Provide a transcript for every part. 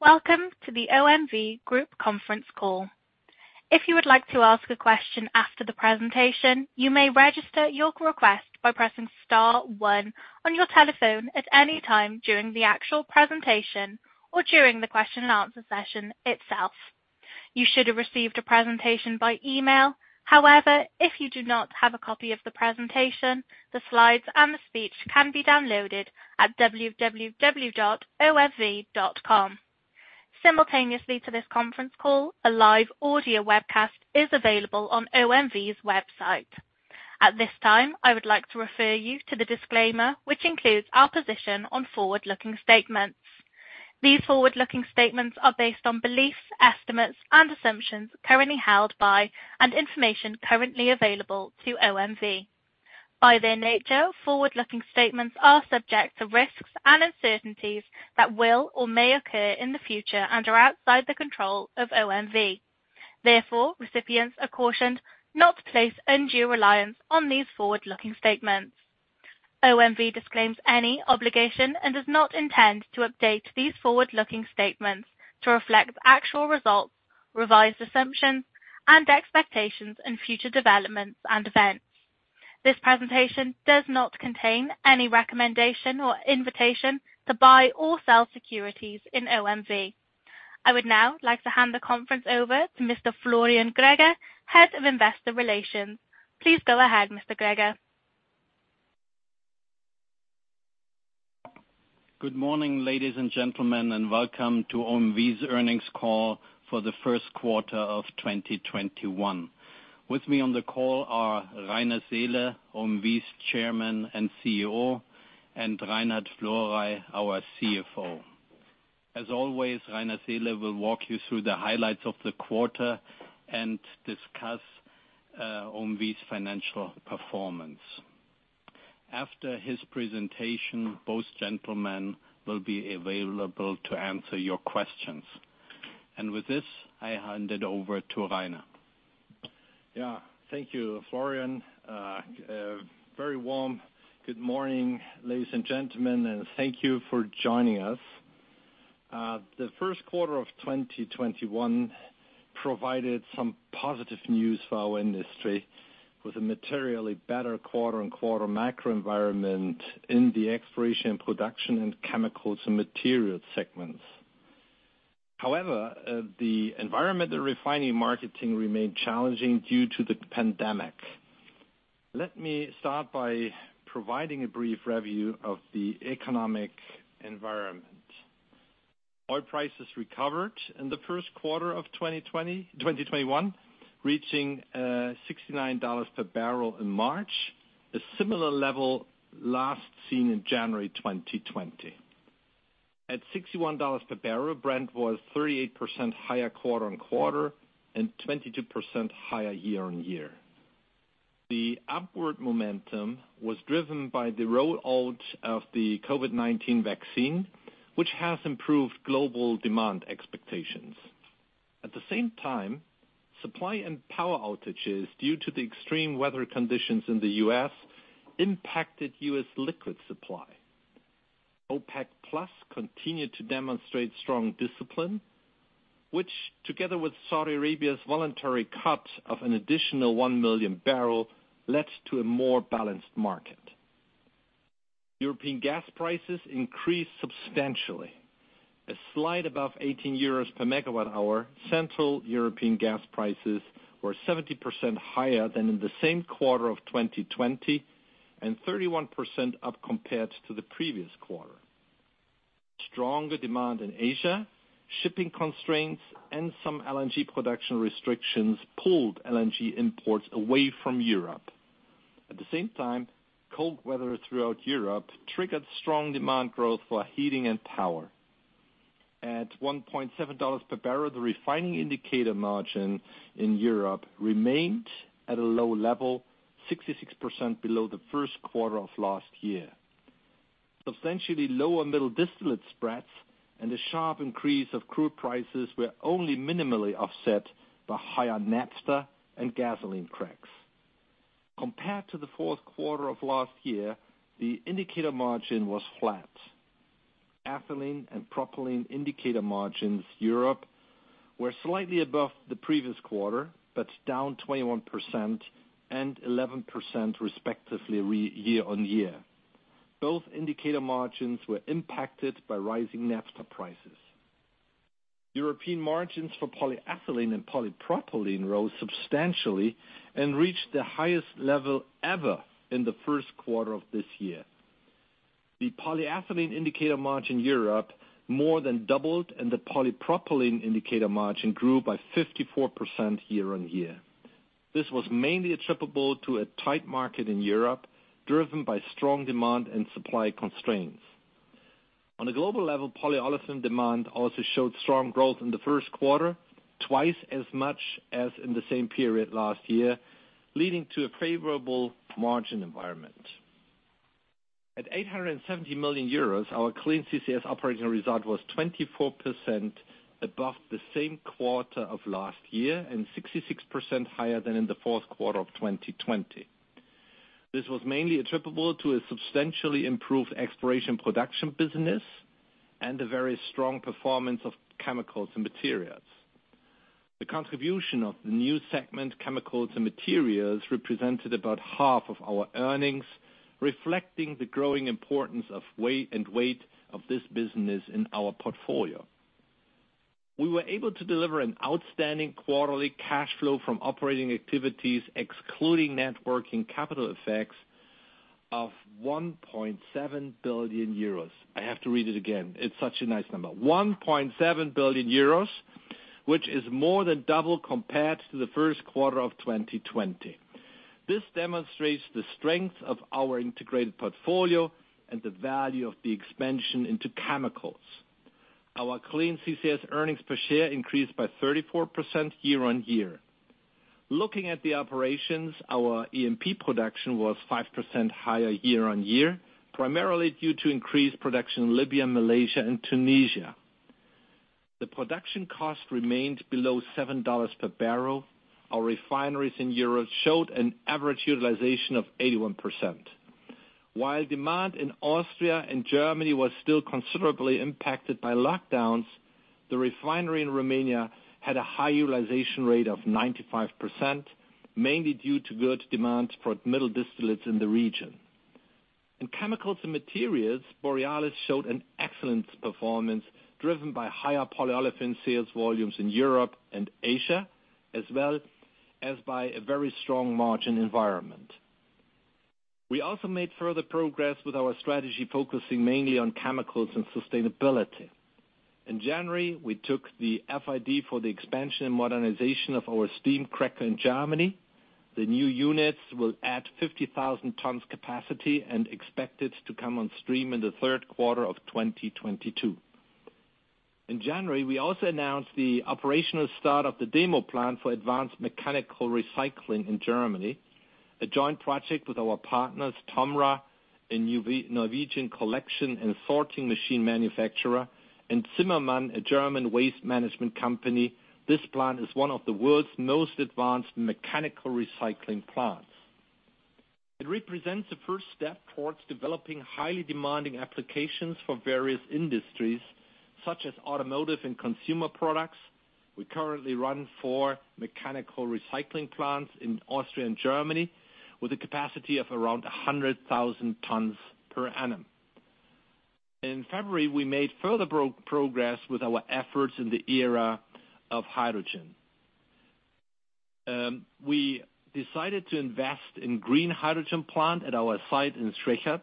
Welcome to the OMV Group conference call. If you would like to ask a question after the presentation, you may register your request by pressing star one on your telephone at any time during the actual presentation or during the question and answer session itself. You should have received a presentation by email. However, if you do not have a copy of the presentation, the slides and the speech can be downloaded at www.omv.com. Simultaneously to this conference call, a live audio webcast is available on OMV's website. At this time, I would like to refer you to the disclaimer, which includes our position on forward-looking statements. These forward-looking statements are based on beliefs, estimates, and assumptions currently held by, and information currently available to OMV. By their nature, forward-looking statements are subject to risks and uncertainties that will or may occur in the future and are outside the control of OMV. Therefore, recipients are cautioned not to place undue reliance on these forward-looking statements. OMV disclaims any obligation and does not intend to update these forward-looking statements to reflect actual results, revised assumptions, and expectations in future developments and events. This presentation does not contain any recommendation or invitation to buy or sell securities in OMV. I would now like to hand the conference over to Mr. Florian Greger, Head of Investor Relations. Please go ahead, Mr. Greger. Good morning, ladies and gentlemen, and welcome to OMV's earnings call for the first quarter of 2021. With me on the call are Rainer Seele, OMV's Chairman and CEO, and our CFO. As always, Rainer Seele will walk you through the highlights of the quarter and discuss OMV's financial performance. After his presentation, both gentlemen will be available to answer your questions. With this, I hand it over to Rainer. Thank you, Florian. A very warm good morning, ladies and gentlemen, and thank you for joining us. The first quarter of 2021 provided some positive news for our industry with a materially better quarter-on-quarter macro environment in the Exploration & Production, and Chemicals & Materials segments. However, the environment in Refining & Marketing remained challenging due to the pandemic. Let me start by providing a brief review of the economic environment. Oil prices recovered in the first quarter of 2021, reaching $69 per bbl in March, a similar level last seen in January 2020. At $61 per bbl, Brent was 38% higher quarter-on-quarter and 22% higher year-on-year. The upward momentum was driven by the rollout of the COVID-19 vaccine, which has improved global demand expectations. At the same time, supply and power outages due to the extreme weather conditions in the U.S. impacted U.S. liquid supply. OPEC+ continued to demonstrate strong discipline, which together with Saudi Arabia's voluntary cut of an additional 1 MMbbl, led to a more balanced market. European gas prices increased substantially. A slight above 18 euros per MWh central European gas prices were 70% higher than in the same quarter of 2020, and 31% up compared to the previous quarter. Stronger demand in Asia, shipping constraints, and some LNG production restrictions pulled LNG imports away from Europe. At the same time, cold weather throughout Europe triggered strong demand growth for heating and power. At $1.70 per bbl the refining indicator margin in Europe remained at a low level, 66% below the first quarter of last year. Substantially lower middle distillate spreads and a sharp increase of crude prices were only minimally offset by higher naphtha and gasoline cracks. Compared to the fourth quarter of last year, the indicator margin was flat. Ethylene and propylene indicator margins Europe were slightly above the previous quarter, but down 21% and 11% respectively year-on-year. Both indicator margins were impacted by rising naphtha prices. European margins for polyethylene and polypropylene rose substantially and reached the highest level ever in the first quarter of this year. The polyethylene indicator margin Europe more than doubled, and the polypropylene indicator margin grew by 54% year-on-year. This was mainly attributable to a tight market in Europe, driven by strong demand and supply constraints. On a global level, polyolefin demand also showed strong growth in the first quarter, twice as much as in the same period last year, leading to a favorable margin environment. At 870 million euros, our Clean CCS operating result was 24% above the same quarter of last year and 66% higher than in the fourth quarter of 2020. This was mainly attributable to a substantially improved Exploration & Production business and a very strong performance of Chemicals & Materials. The contribution of the new segment, Chemicals & Materials, represented about half of our earnings, reflecting the growing importance and weight of this business in our portfolio. We were able to deliver an outstanding quarterly cash flow from operating activities, excluding networking capital effects, of 1.7 billion euros. I have to read it again, it's such a nice number. 1.7 billion euros, which is more than double compared to the first quarter of 2020. This demonstrates the strength of our integrated portfolio and the value of the expansion into chemicals. Our Clean CCS earnings per share increased by 34% year-on-year. Looking at the operations, our E&P production was 5% higher year-on-year, primarily due to increased production in Libya, Malaysia, and Tunisia. The production cost remained below $7 per bbl. Our refineries in Europe showed an average utilization of 81%. While demand in Austria and Germany was still considerably impacted by lockdowns, the refinery in Romania had a high utilization rate of 95%, mainly due to good demand for middle distillates in the region. In Chemicals & Materials, Borealis showed an excellent performance, driven by higher polyolefin sales volumes in Europe and Asia, as well as by a very strong margin environment. We also made further progress with our strategy, focusing mainly on chemicals and sustainability. In January, we took the FID for the expansion and modernization of our steam cracker in Germany. The new units will add 50,000 tons capacity and expected to come on stream in the third quarter of 2022. In January, we also announced the operational start of the demo plant for advanced mechanical recycling in Germany, a joint project with our partners TOMRA, a Norwegian collection and sorting machine manufacturer, and Zimmermann, a German waste management company. This plant is one of the world's most advanced mechanical recycling plants. It represents a first step towards developing highly demanding applications for various industries, such as automotive and consumer products. We currently run four mechanical recycling plants in Austria and Germany, with a capacity of around 100,000 tons per annum. In February, we made further progress with our efforts in the era of hydrogen. We decided to invest in green hydrogen plant at our site in Schwechat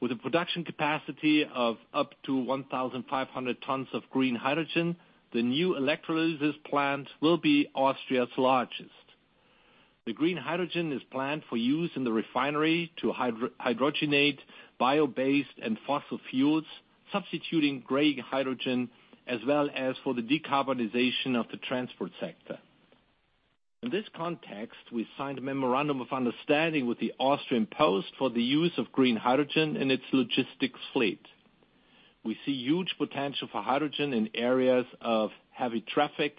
with a production capacity of up to 1,500 tons of green hydrogen. The new electrolysis plant will be Austria's largest. The green hydrogen is planned for use in the refinery to hydrogenate bio-based and fossil fuels, substituting gray hydrogen as well as for the decarbonization of the transport sector. In this context, we signed a memorandum of understanding with the Austrian Post for the use of green hydrogen in its logistics fleet. We see huge potential for hydrogen in areas of heavy traffic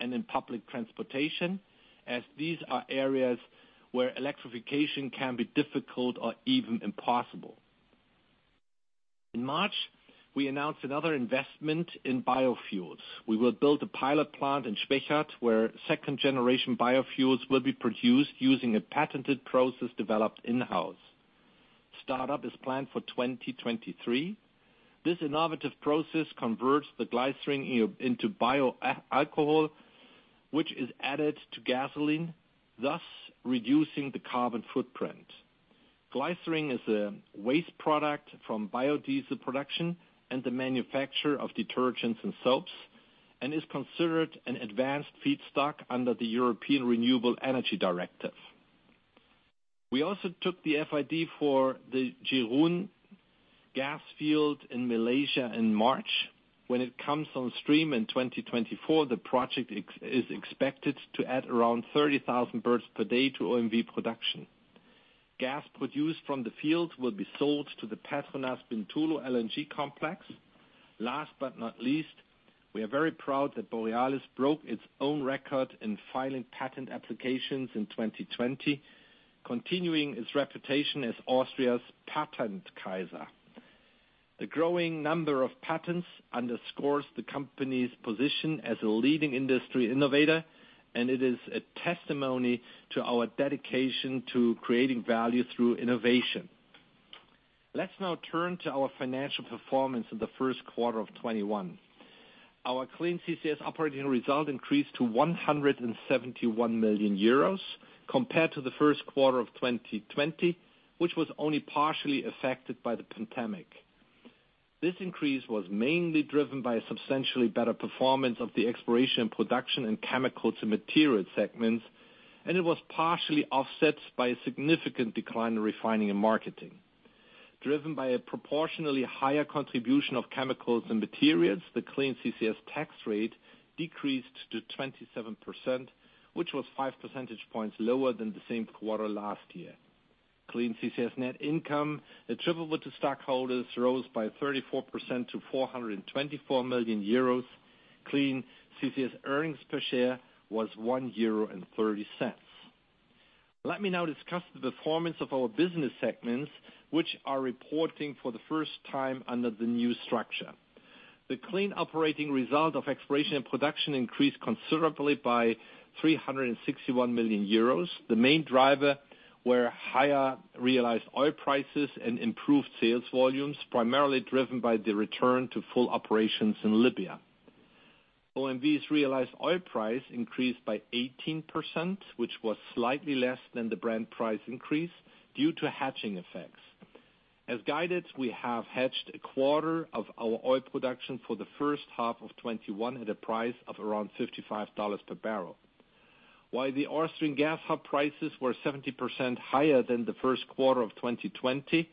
and in public transportation, as these are areas where electrification can be difficult or even impossible. In March, we announced another investment in biofuels. We will build a pilot plant in Schwechat, where second-generation biofuels will be produced using a patented process developed in-house. Startup is planned for 2023. This innovative process converts the glycerine into bioalcohol, which is added to gasoline, thus reducing the carbon footprint. Glycerine is a waste product from biodiesel production and the manufacture of detergents and soaps and is considered an advanced feedstock under the European Renewable Energy Directive. We also took the FID for the Jerun gas field in Malaysia in March. When it comes on stream in 2024, the project is expected to add around 30,000 bpd to OMV production. Gas produced from the field will be sold to the Petronas Bintulu LNG complex. Last but not least, we are very proud that Borealis broke its own record in filing patent applications in 2020, continuing its reputation as Austria's Patent Kaiser. The growing number of patents underscores the company's position as a leading industry innovator, and it is a testimony to our dedication to creating value through innovation. Let's now turn to our financial performance in the first quarter of 2021. Our Clean CCS operating result increased to 171 million euros compared to the first quarter of 2020, which was only partially affected by the pandemic. This increase was mainly driven by a substantially better performance of the Exploration & Production and Chemicals & Materials segments, and it was partially offset by a significant decline in Refining & Marketing. Driven by a proportionally higher contribution of Chemicals & Materials, the Clean CCS tax rate decreased to 27%, which was 5 percentage points lower than the same quarter last year. Clean CCS net income attributable to stockholders rose by 34% to 424 million euros. Clean CCS earnings per share was 1.30 euro. Let me now discuss the performance of our business segments, which are reporting for the first time under the new structure. The clean operating result of Exploration & Production increased considerably by 361 million euros. The main driver were higher realized oil prices and improved sales volumes, primarily driven by the return to full operations in Libya. OMV's realized oil price increased by 18%, which was slightly less than the Brent price increase due to hedging effects. As guided, we have hedged 1/4 of our oil production for the first half of 2021 at a price of around $55 per barrel. While the Austrian gas hub prices were 70% higher than the first quarter of 2020,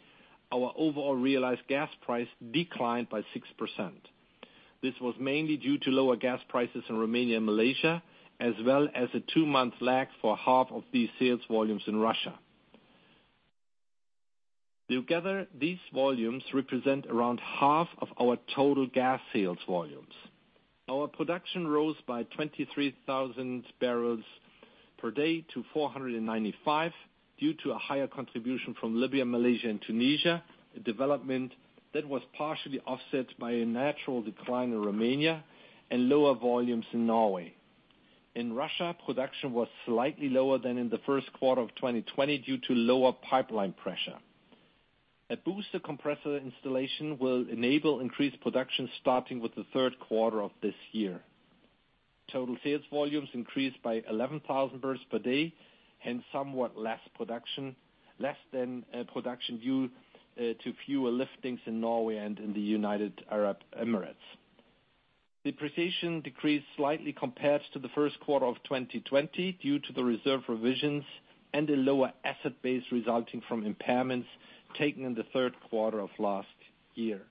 our overall realized gas price declined by 6%. This was mainly due to lower gas prices in Romania and Malaysia, as well as a two-month lag for half of these sales volumes in Russia. Together, these volumes represent around half of our total gas sales volumes. Our production rose by 23,000 bpd to 495 due to a higher contribution from Libya, Malaysia and Tunisia, a development that was partially offset by a natural decline in Romania and lower volumes in Norway. In Russia, production was slightly lower than in the first quarter of 2020 due to lower pipeline pressure. A booster compressor installation will enable increased production starting with the third quarter of this year. Total sales volumes increased by 11,000 bpd and somewhat less than production due to fewer liftings in Norway and in the United Arab Emirates. Depreciation decreased slightly compared to the first quarter of 2020 due to the reserve revisions and a lower asset base resulting from impairments taken in the third quarter of last year.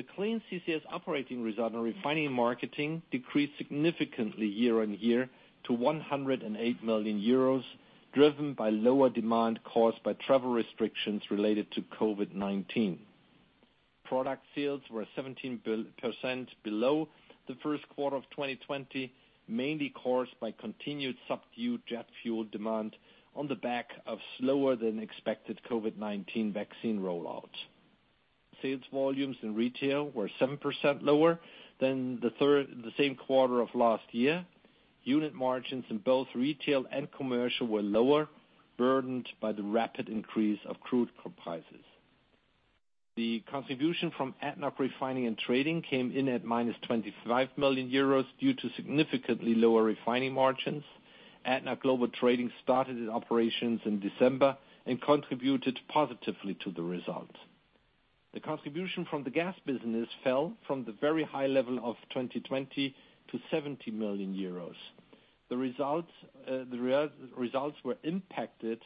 The Clean CCS operating result on refining marketing decreased significantly year-on-year to 108 million euros, driven by lower demand caused by travel restrictions related to COVID-19. Product sales were 17% below the first quarter of 2020, mainly caused by continued subdued jet fuel demand on the back of slower than expected COVID-19 vaccine rollout. Sales volumes in retail were 7% lower than the same quarter of last year. Unit margins in both Retail & Commercial were lower, burdened by the rapid increase of crude prices. The contribution from ADNOC Refining and Trading came in at minus 25 million euros due to significantly lower refining margins. ADNOC Global Trading started its operations in December and contributed positively to the result. The contribution from the gas business fell from the very high level of 2020 to 70 million euros. The results were impacted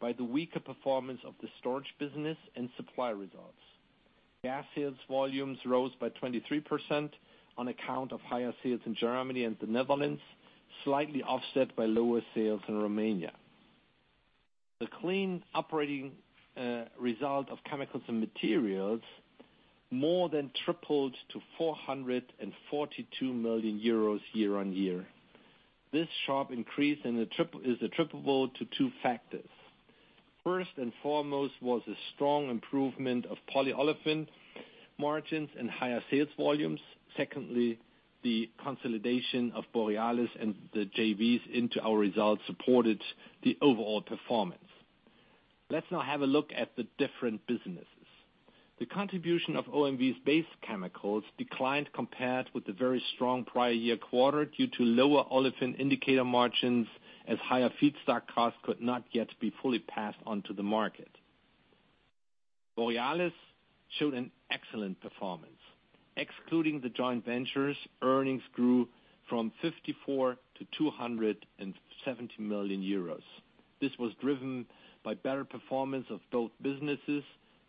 by the weaker performance of the storage business and supply results. Gas sales volumes rose by 23% on account of higher sales in Germany and the Netherlands, slightly offset by lower sales in Romania. The Clean Operating Result of Chemicals and Materials more than tripled to 442 million euros year-on-year. This sharp increase is attributable to two factors. First and foremost was a strong improvement of polyolefin margins and higher sales volumes. Secondly, the consolidation of Borealis and the JVs into our results supported the overall performance. Let's now have a look at the different businesses. The contribution of OMV's base chemicals declined compared with the very strong prior year quarter due to lower olefin indicator margins, as higher feedstock costs could not yet be fully passed on to the market. Borealis showed an excellent performance. Excluding the joint ventures, earnings grew from 54 million to 270 million euros. This was driven by better performance of both businesses,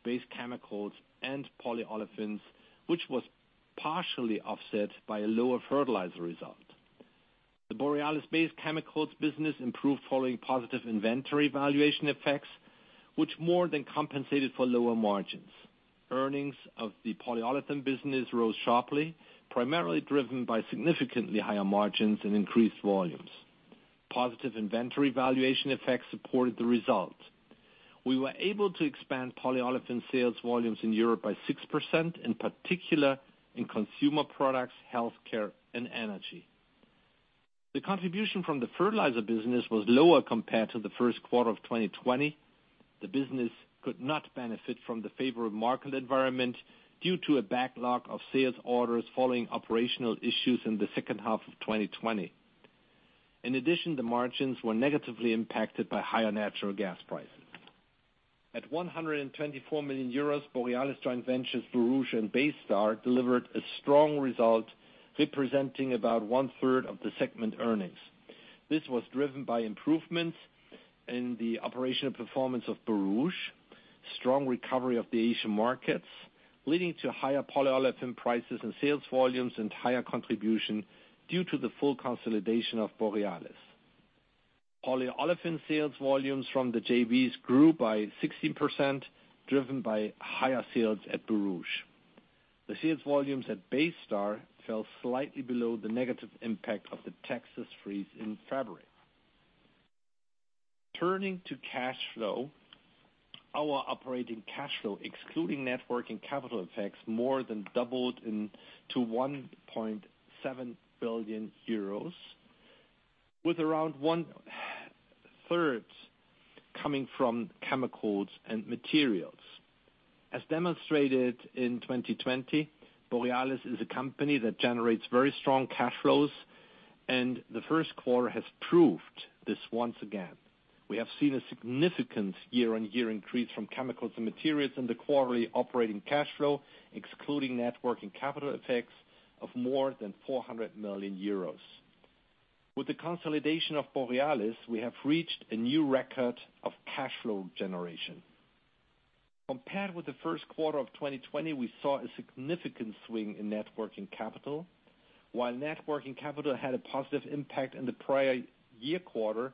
base chemicals and polyolefins, which was partially offset by a lower fertilizer result. The Borealis base chemicals business improved following positive inventory valuation effects, which more than compensated for lower margins. Earnings of the polyolefin business rose sharply, primarily driven by significantly higher margins and increased volumes. Positive inventory valuation effects supported the result. We were able to expand polyolefin sales volumes in Europe by 6%, in particular in consumer products, healthcare, and energy. The contribution from the fertilizer business was lower compared to the first quarter of 2020. The business could not benefit from the favorable market environment due to a backlog of sales orders following operational issues in the second half of 2020. In addition, the margins were negatively impacted by higher natural gas prices. At 124 million euros, Borealis joint ventures Borouge and Baystar are delivered a strong result representing about one-third of the segment earnings. This was driven by improvements in the operational performance of Borouge, strong recovery of the Asian markets, leading to higher polyolefin prices and sales volumes and higher contribution due to the full consolidation of Borealis. Polyolefin sales volumes from the JVs grew by 16%, driven by higher sales at Borouge. The sales volumes at Baystar fell slightly below the negative impact of the Texas freeze in February. Turning to cash flow, our operating cash flow, excluding net working capital effects, more than doubled to 1.7 billion euros, with around 1/3 coming from Chemicals & Materials. As demonstrated in 2020, Borealis is a company that generates very strong cash flows, and the first quarter has proved this once again. We have seen a significant year-on-year increase from Chemicals & Materials in the quarterly operating cash flow, excluding net working capital effects of more than 400 million euros. With the consolidation of Borealis, we have reached a new record of cash flow generation. Compared with the first quarter of 2020, we saw a significant swing in net working capital. While net working capital had a positive impact in the prior year quarter,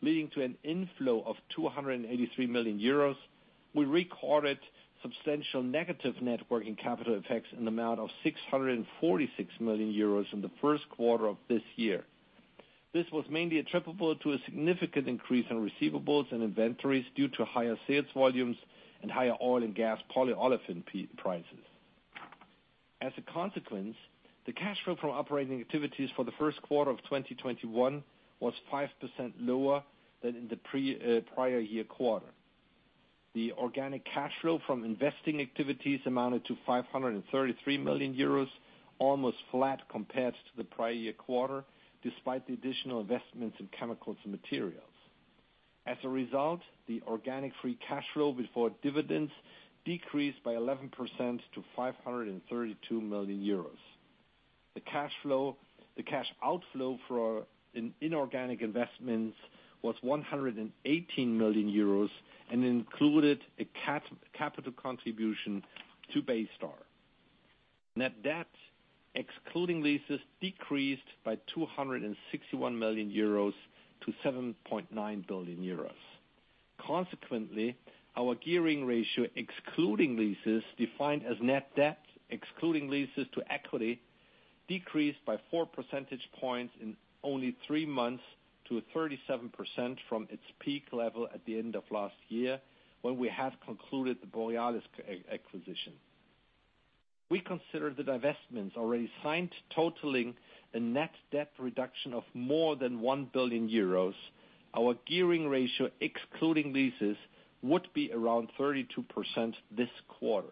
leading to an inflow of 283 million euros, we recorded substantial negative net working capital effects in the amount of 646 million euros in the first quarter of this year. This was mainly attributable to a significant increase in receivables and inventories due to higher sales volumes and higher oil and gas polyolefin prices. As a consequence, the cash flow from operating activities for the first quarter of 2021 was 5% lower than in the prior year quarter. The organic cash flow from investing activities amounted to Eur 533 million, almost flat compared to the prior year quarter, despite the additional investments in chemicals and materials. As a result, the organic free cash flow before dividends decreased by 11% to 532 million euros. The cash outflow for inorganic investments was 118 million euros and included a capital contribution to Baystar. Net debt, excluding leases, decreased by 261 million-7.9 billion euros. Consequently, our gearing ratio, excluding leases, defined as net debt, excluding leases to equity, decreased by 4 percentage points in only three months to 37% from its peak level at the end of last year, when we had concluded the Borealis acquisition. We consider the divestments already signed totaling a net debt reduction of more than 1 billion euros, our gearing ratio, excluding leases, would be around 32% this quarter.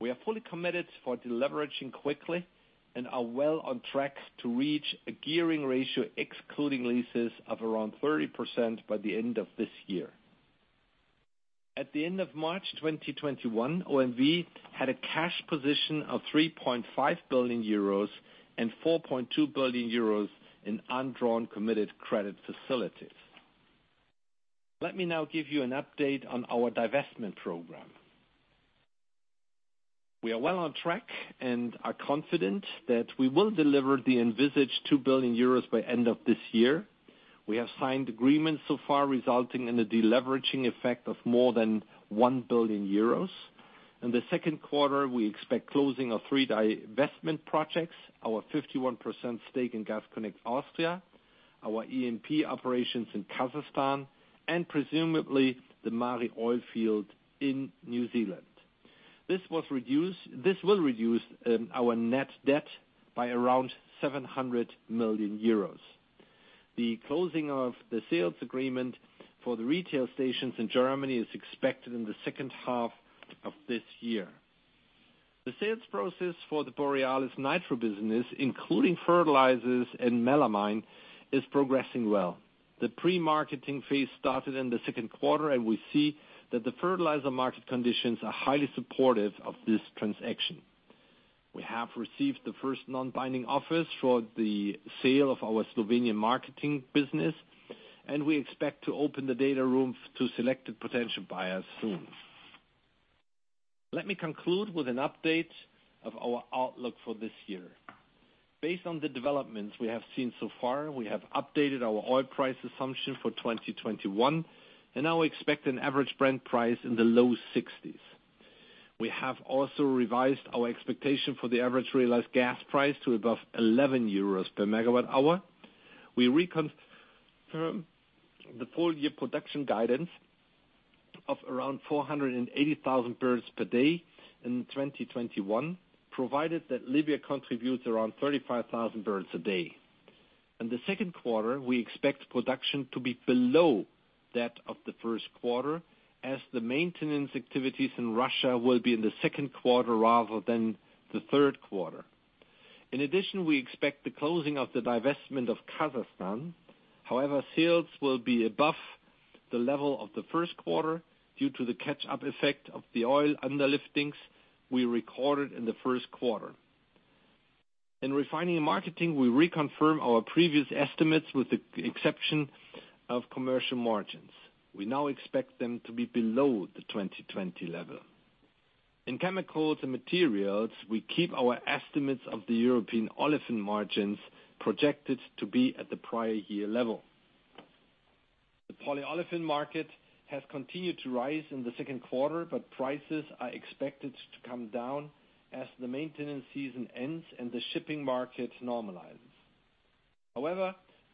We are fully committed for deleveraging quickly and are well on track to reach a gearing ratio, excluding leases of around 30% by the end of this year. At the end of March 2021, OMV had a cash position of 3.5 billion euros and 4.2 billion euros in undrawn committed credit facilities. Let me now give you an update on our divestment program. We are well on track and are confident that we will deliver the envisaged 2 billion euros by end of this year. We have signed agreements so far resulting in a deleveraging effect of more than 1 billion euros. In the second quarter, we expect closing of three divestment projects, our 51% stake in Gas Connect Austria, our E&P operations in Kazakhstan, and presumably the Maari oil field in New Zealand. This will reduce our net debt by around 700 million euros. The closing of the sales agreement for the retail stations in Germany is expected in the second half of this year. The sales process for the Borealis Nitrogen business, including fertilizers and melamine, is progressing well. The pre-marketing phase started in the second quarter, and we see that the fertilizer market conditions are highly supportive of this transaction. We have received the first non-binding offers for the sale of our Slovenian marketing business, and we expect to open the data room to selected potential buyers soon. Let me conclude with an update of our outlook for this year. Based on the developments we have seen so far, we have updated our oil price assumption for 2021, and now we expect an average Brent price in the low 60s. We have also revised our expectation for the average realized gas price to above 11 euros per MWh. We reconfirm the full-year production guidance of around 480,000 bpd in 2021, provided that Libya contributes around 35,000 bpd. In the second quarter, we expect production to be below that of the first quarter as the maintenance activities in Russia will be in the second quarter rather than the third quarter. In addition, we expect the closing of the divestment of Kazakhstan. However, sales will be above the level of the first quarter due to the catch-up effect of the oil underliftings we recorded in the first quarter. In Refining and Marketing, we reconfirm our previous estimates with the exception of commercial margins. We now expect them to be below the 2020 level. In Chemicals and Materials, we keep our estimates of the European olefin margins projected to be at the prior year level. Prices are expected to come down as the maintenance season ends and the shipping market normalizes.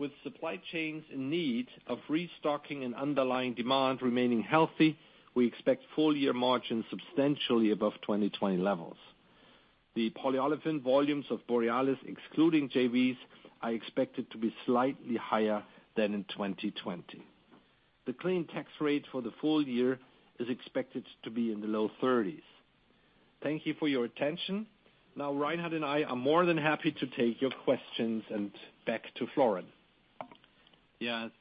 With supply chains in need of restocking and underlying demand remaining healthy, we expect full-year margins substantially above 2020 levels. The polyolefin volumes of Borealis, excluding JVs, are expected to be slightly higher than in 2020. The clean tax rate for the full year is expected to be in the low 30s. Thank you for your attention. Reinhard and I are more than happy to take your questions and back to Florian. Yeah.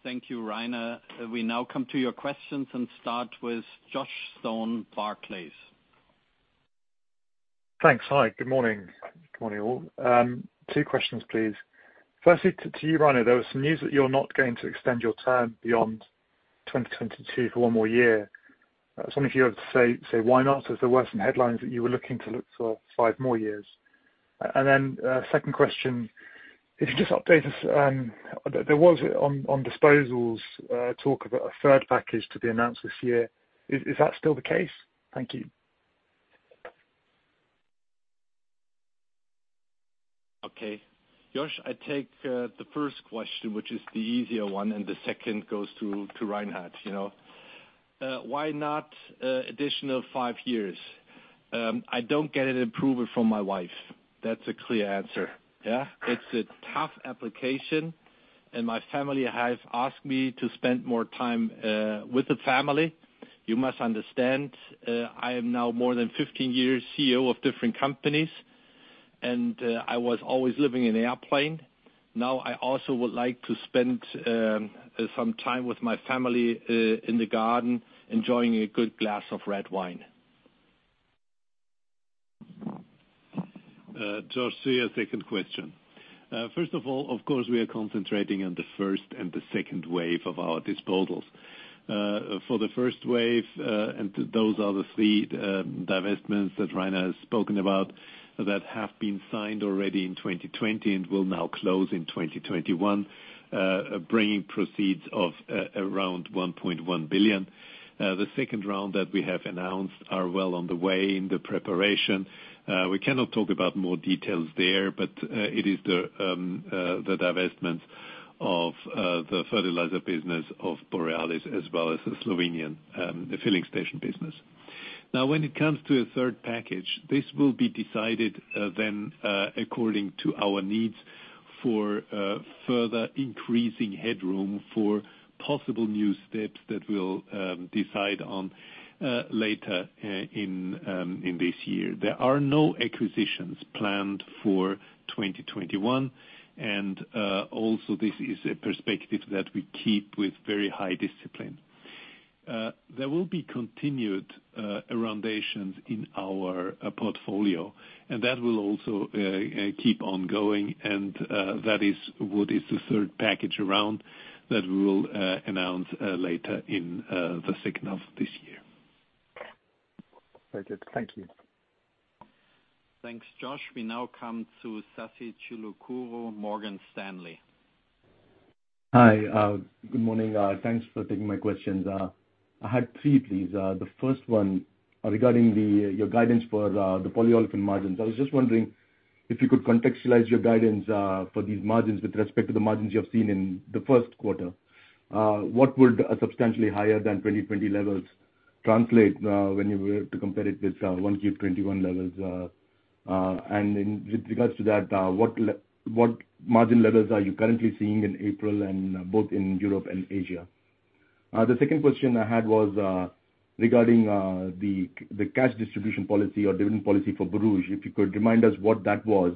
Thank you, Rainer. We now come to your questions and start with Joshua Stone, Barclays. Thanks. Hi, good morning, all. Two questions, please. Firstly, to you, Rainer, there was some news that you're not going to extend your term beyond 2022 for one more year. I was wondering if you have to say why not, as there were some headlines that you were looking to look for five more years. Second question, if you could just update us, there was, on disposals, talk about 1/3 package to be announced this year. Is that still the case? Thank you. Okay. Josh, I take the first question, which is the easier one. The second goes to Reinhard. Why not additional five years? I don't get an approval from my wife. That's a clear answer. Yeah. It's a tough application. My family has asked me to spend more time with the family. You must understand, I am now more than 15 years CEO of different companies. I was always living in airplane. Now I also would like to spend some time with my family in the garden, enjoying a good glass of red wine. Josh, to your second question. First of all, of course, we are concentrating on the first and the second wave of our disposals. For the first wave, and those are the three divestments that Rainer has spoken about that have been signed already in 2020 and will now close in 2021, bringing proceeds of around 1.1 billion. The second round that we have announced are well on the way in the preparation. We cannot talk about more details there, but it is the divestment of the fertilizer business of Borealis, as well as the Slovenian filling station business. Now, when it comes to 1/3 package, this will be decided then according to our needs for further increasing headroom for possible new steps that we'll decide on later in this year. There are no acquisitions planned for 2021 and also this is a perspective that we keep with very high discipline. There will be continued rundowns in our portfolio, and that will also keep on going and that is what is the third package around that we will announce later in the second half of this year. Very good. Thank you. Thanks, Josh. We now come to Sasikanth Chilukuru, Morgan Stanley. Hi. Good morning. Thanks for taking my questions. I had three, please. First one regarding your guidance for the polyolefin margins. I was just wondering if you could contextualize your guidance for these margins with respect to the margins you have seen in the first quarter. What would a substantially higher than 2020 levels translate when you were to compare it with 1Q21 levels? With regards to that, what margin levels are you currently seeing in April and both in Europe and Asia? Second question I had was regarding the cash distribution policy or dividend policy for Borouge, if you could remind us what that was.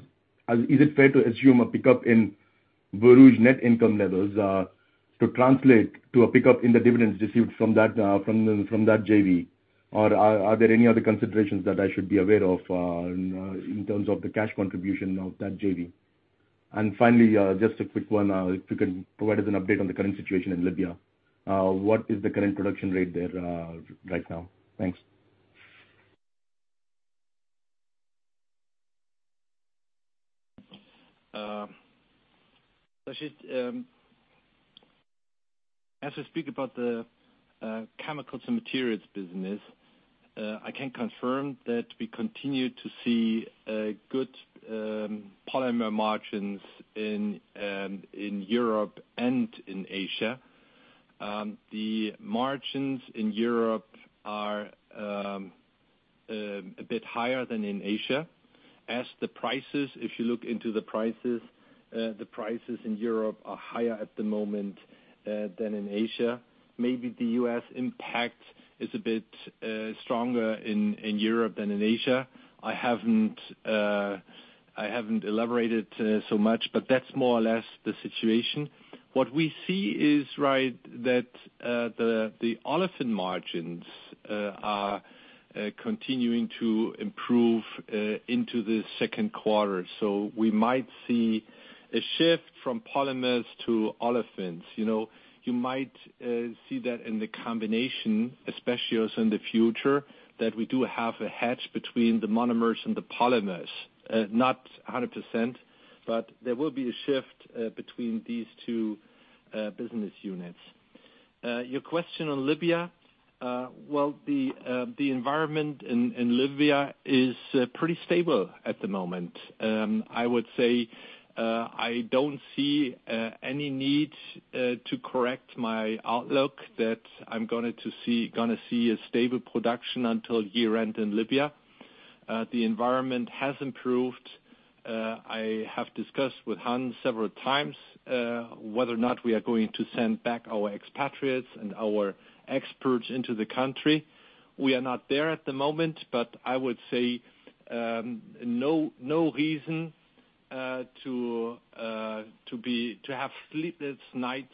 Is it fair to assume a pickup in Borouge net income levels to translate to a pickup in the dividends received from that JV? Are there any other considerations that I should be aware of in terms of the cash contribution of that JV? Finally, just a quick one, if you could provide us an update on the current situation in Libya. What is the current production rate there right now? Thanks. Sasi, as I speak about the chemicals and materials business, I can confirm that we continue to see good polymer margins in Europe and in Asia. The margins in Europe are a bit higher than in Asia. The prices, if you look into the prices, the prices in Europe are higher at the moment than in Asia. Maybe the U.S. impact is a bit stronger in Europe than in Asia. I haven't elaborated so much, but that's more or less the situation. What we see is, right, that the olefin margins are continuing to improve into the second quarter. We might see a shift from polymers to olefins. You might see that in the combination, especially as in the future, that we do have a hedge between the monomers and the polymers. Not 100%. There will be a shift between these two business units. Your question on Libya, well, the environment in Libya is pretty stable at the moment. I would say, I don't see any need to correct my outlook that I'm going to see a stable production until year-end in Libya. The environment has improved. I have discussed with Han several times, whether or not we are going to send back our expatriates and our experts into the country. We are not there at the moment, but I would say, no reason to have sleepless nights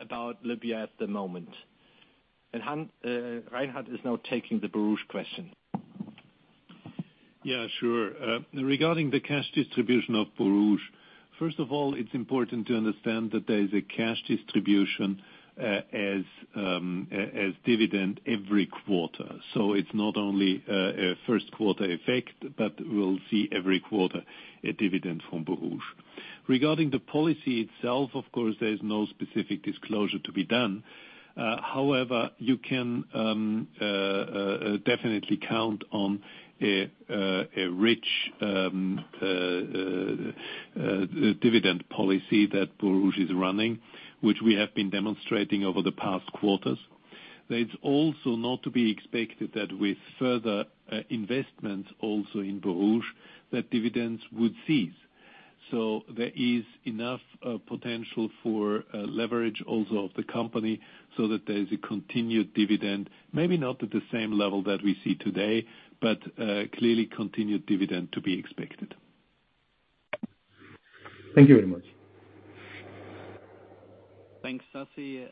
about Libya at the moment. Reinhard is now taking the Borouge question. Yeah, sure. Regarding the cash distribution of Borouge, first of all, it's important to understand that there is a cash distribution as dividend every quarter. It's not only a first quarter effect, but we'll see every quarter a dividend from Borouge. Regarding the policy itself, of course, there is no specific disclosure to be done. However, you can definitely count on a rich dividend policy that Borouge is running, which we have been demonstrating over the past quarters. It's also not to be expected that with further investments also in Borouge, that dividends would cease. There is enough potential for leverage also of the company so that there is a continued dividend, maybe not at the same level that we see today, but clearly continued dividend to be expected. Thank you very much. Thanks, Sasi.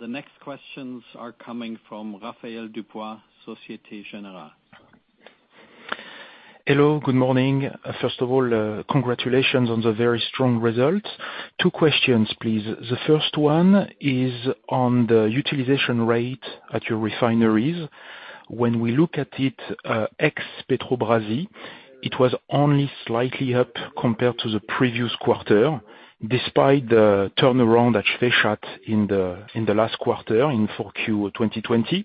The next questions are coming from Raphaël Dubois, Societe Generale. Hello, good morning. First of all, congratulations on the very strong results. Two questions, please. The first one is on the utilization rate at your refineries. When we look at it, ex-Petrobrazi, it was only slightly up compared to the previous quarter, despite the turnaround at Schwechat in the last quarter in 4Q 2020.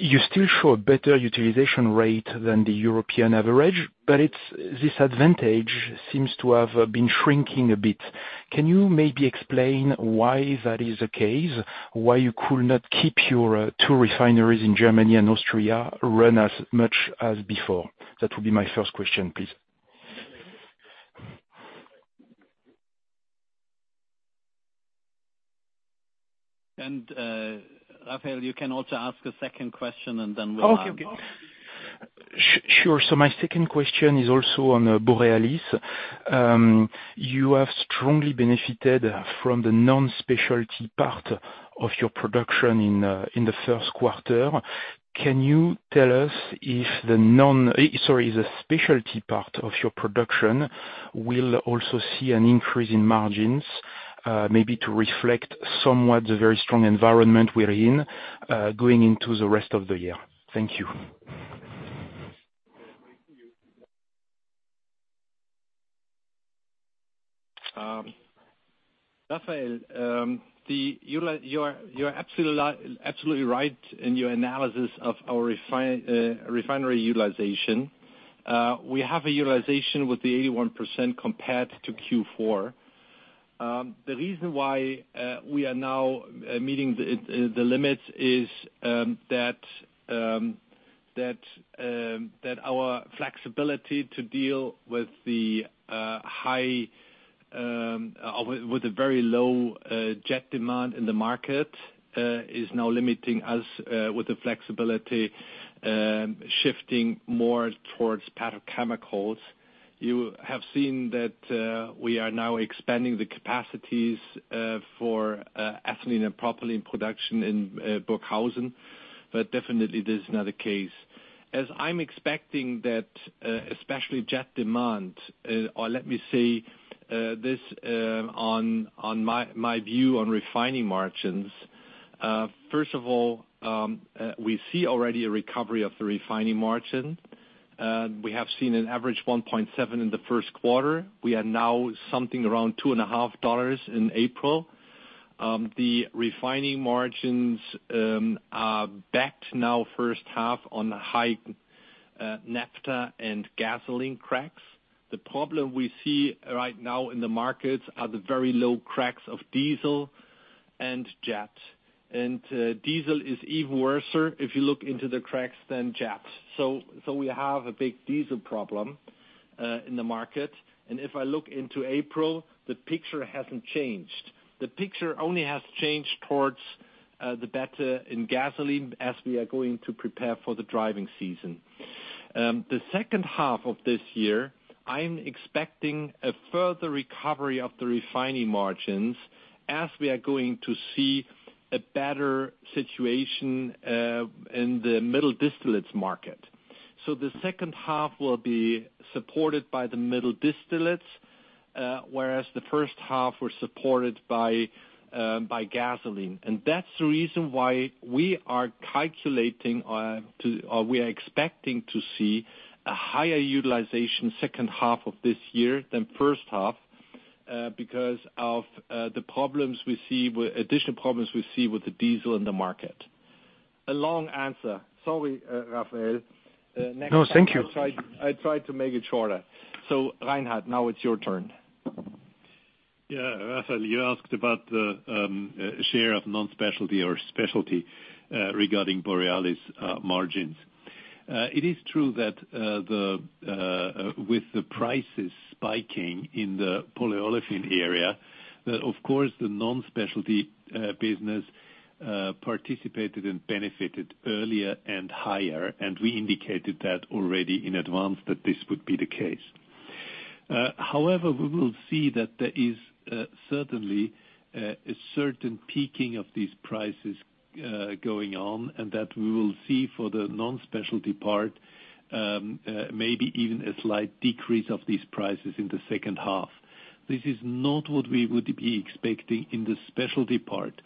You still show a better utilization rate than the European average, but this advantage seems to have been shrinking a bit. Can you maybe explain why that is the case, why you could not keep your two refineries in Germany and Austria run as much as before? That would be my first question, please. Raphaël, you can also ask a second question. Okay. Sure. My second question is also on Borealis. You have strongly benefited from the non-specialty part of your production in the first quarter. Can you tell us if the specialty part of your production will also see an increase in margins, maybe to reflect somewhat the very strong environment we are in, going into the rest of the year? Thank you. Raphaël, you're absolutely right in your analysis of our refinery utilization. We have a utilization with the 81% compared to Q4. The reason why we are now meeting the limits is that our flexibility to deal with the very low jet demand in the market, is now limiting us with the flexibility, shifting more towards petrochemicals. You have seen that we are now expanding the capacities for ethylene and propylene production in Burghausen, but definitely this is not the case. I'm expecting that, especially jet demand, or let me say, my view on refining margins. First of all, we see already a recovery of the refining margin. We have seen an average 1.7 in the first quarter. We are now something around EUR 2.5 in April. The refining margins are backed now first half on high naphtha and gasoline cracks. The problem we see right now in the markets are the very low cracks of diesel and jet. Diesel is even worse if you look into the cracks than jet. We have a big diesel problem in the market. If I look into April, the picture hasn't changed. The picture only has changed towards the better in gasoline as we are going to prepare for the driving season. The second half of this year, I'm expecting a further recovery of the refining margins as we are going to see a better situation in the middle distillates market. The second half will be supported by the middle distillates, whereas the first half was supported by gasoline. That's the reason why we are calculating, or we are expecting to see a higher utilization second half of this year than first half. Of the additional problems we see with the diesel in the market. A long answer. Sorry, Raphaël. No, thank you. I try to make it shorter. Reinhard, now it's your turn. Raphaël, you asked about the share of non-specialty or specialty regarding Borealis margins. It is true that with the prices spiking in the polyolefin area, that of course the non-specialty business participated and benefited earlier and higher, and we indicated that already in advance that this would be the case. However, we will see that there is certainly a certain peaking of these prices going on, and that we will see for the non-specialty part, maybe even a slight decrease of these prices in the second half. This is not what we would be expecting in the specialty part.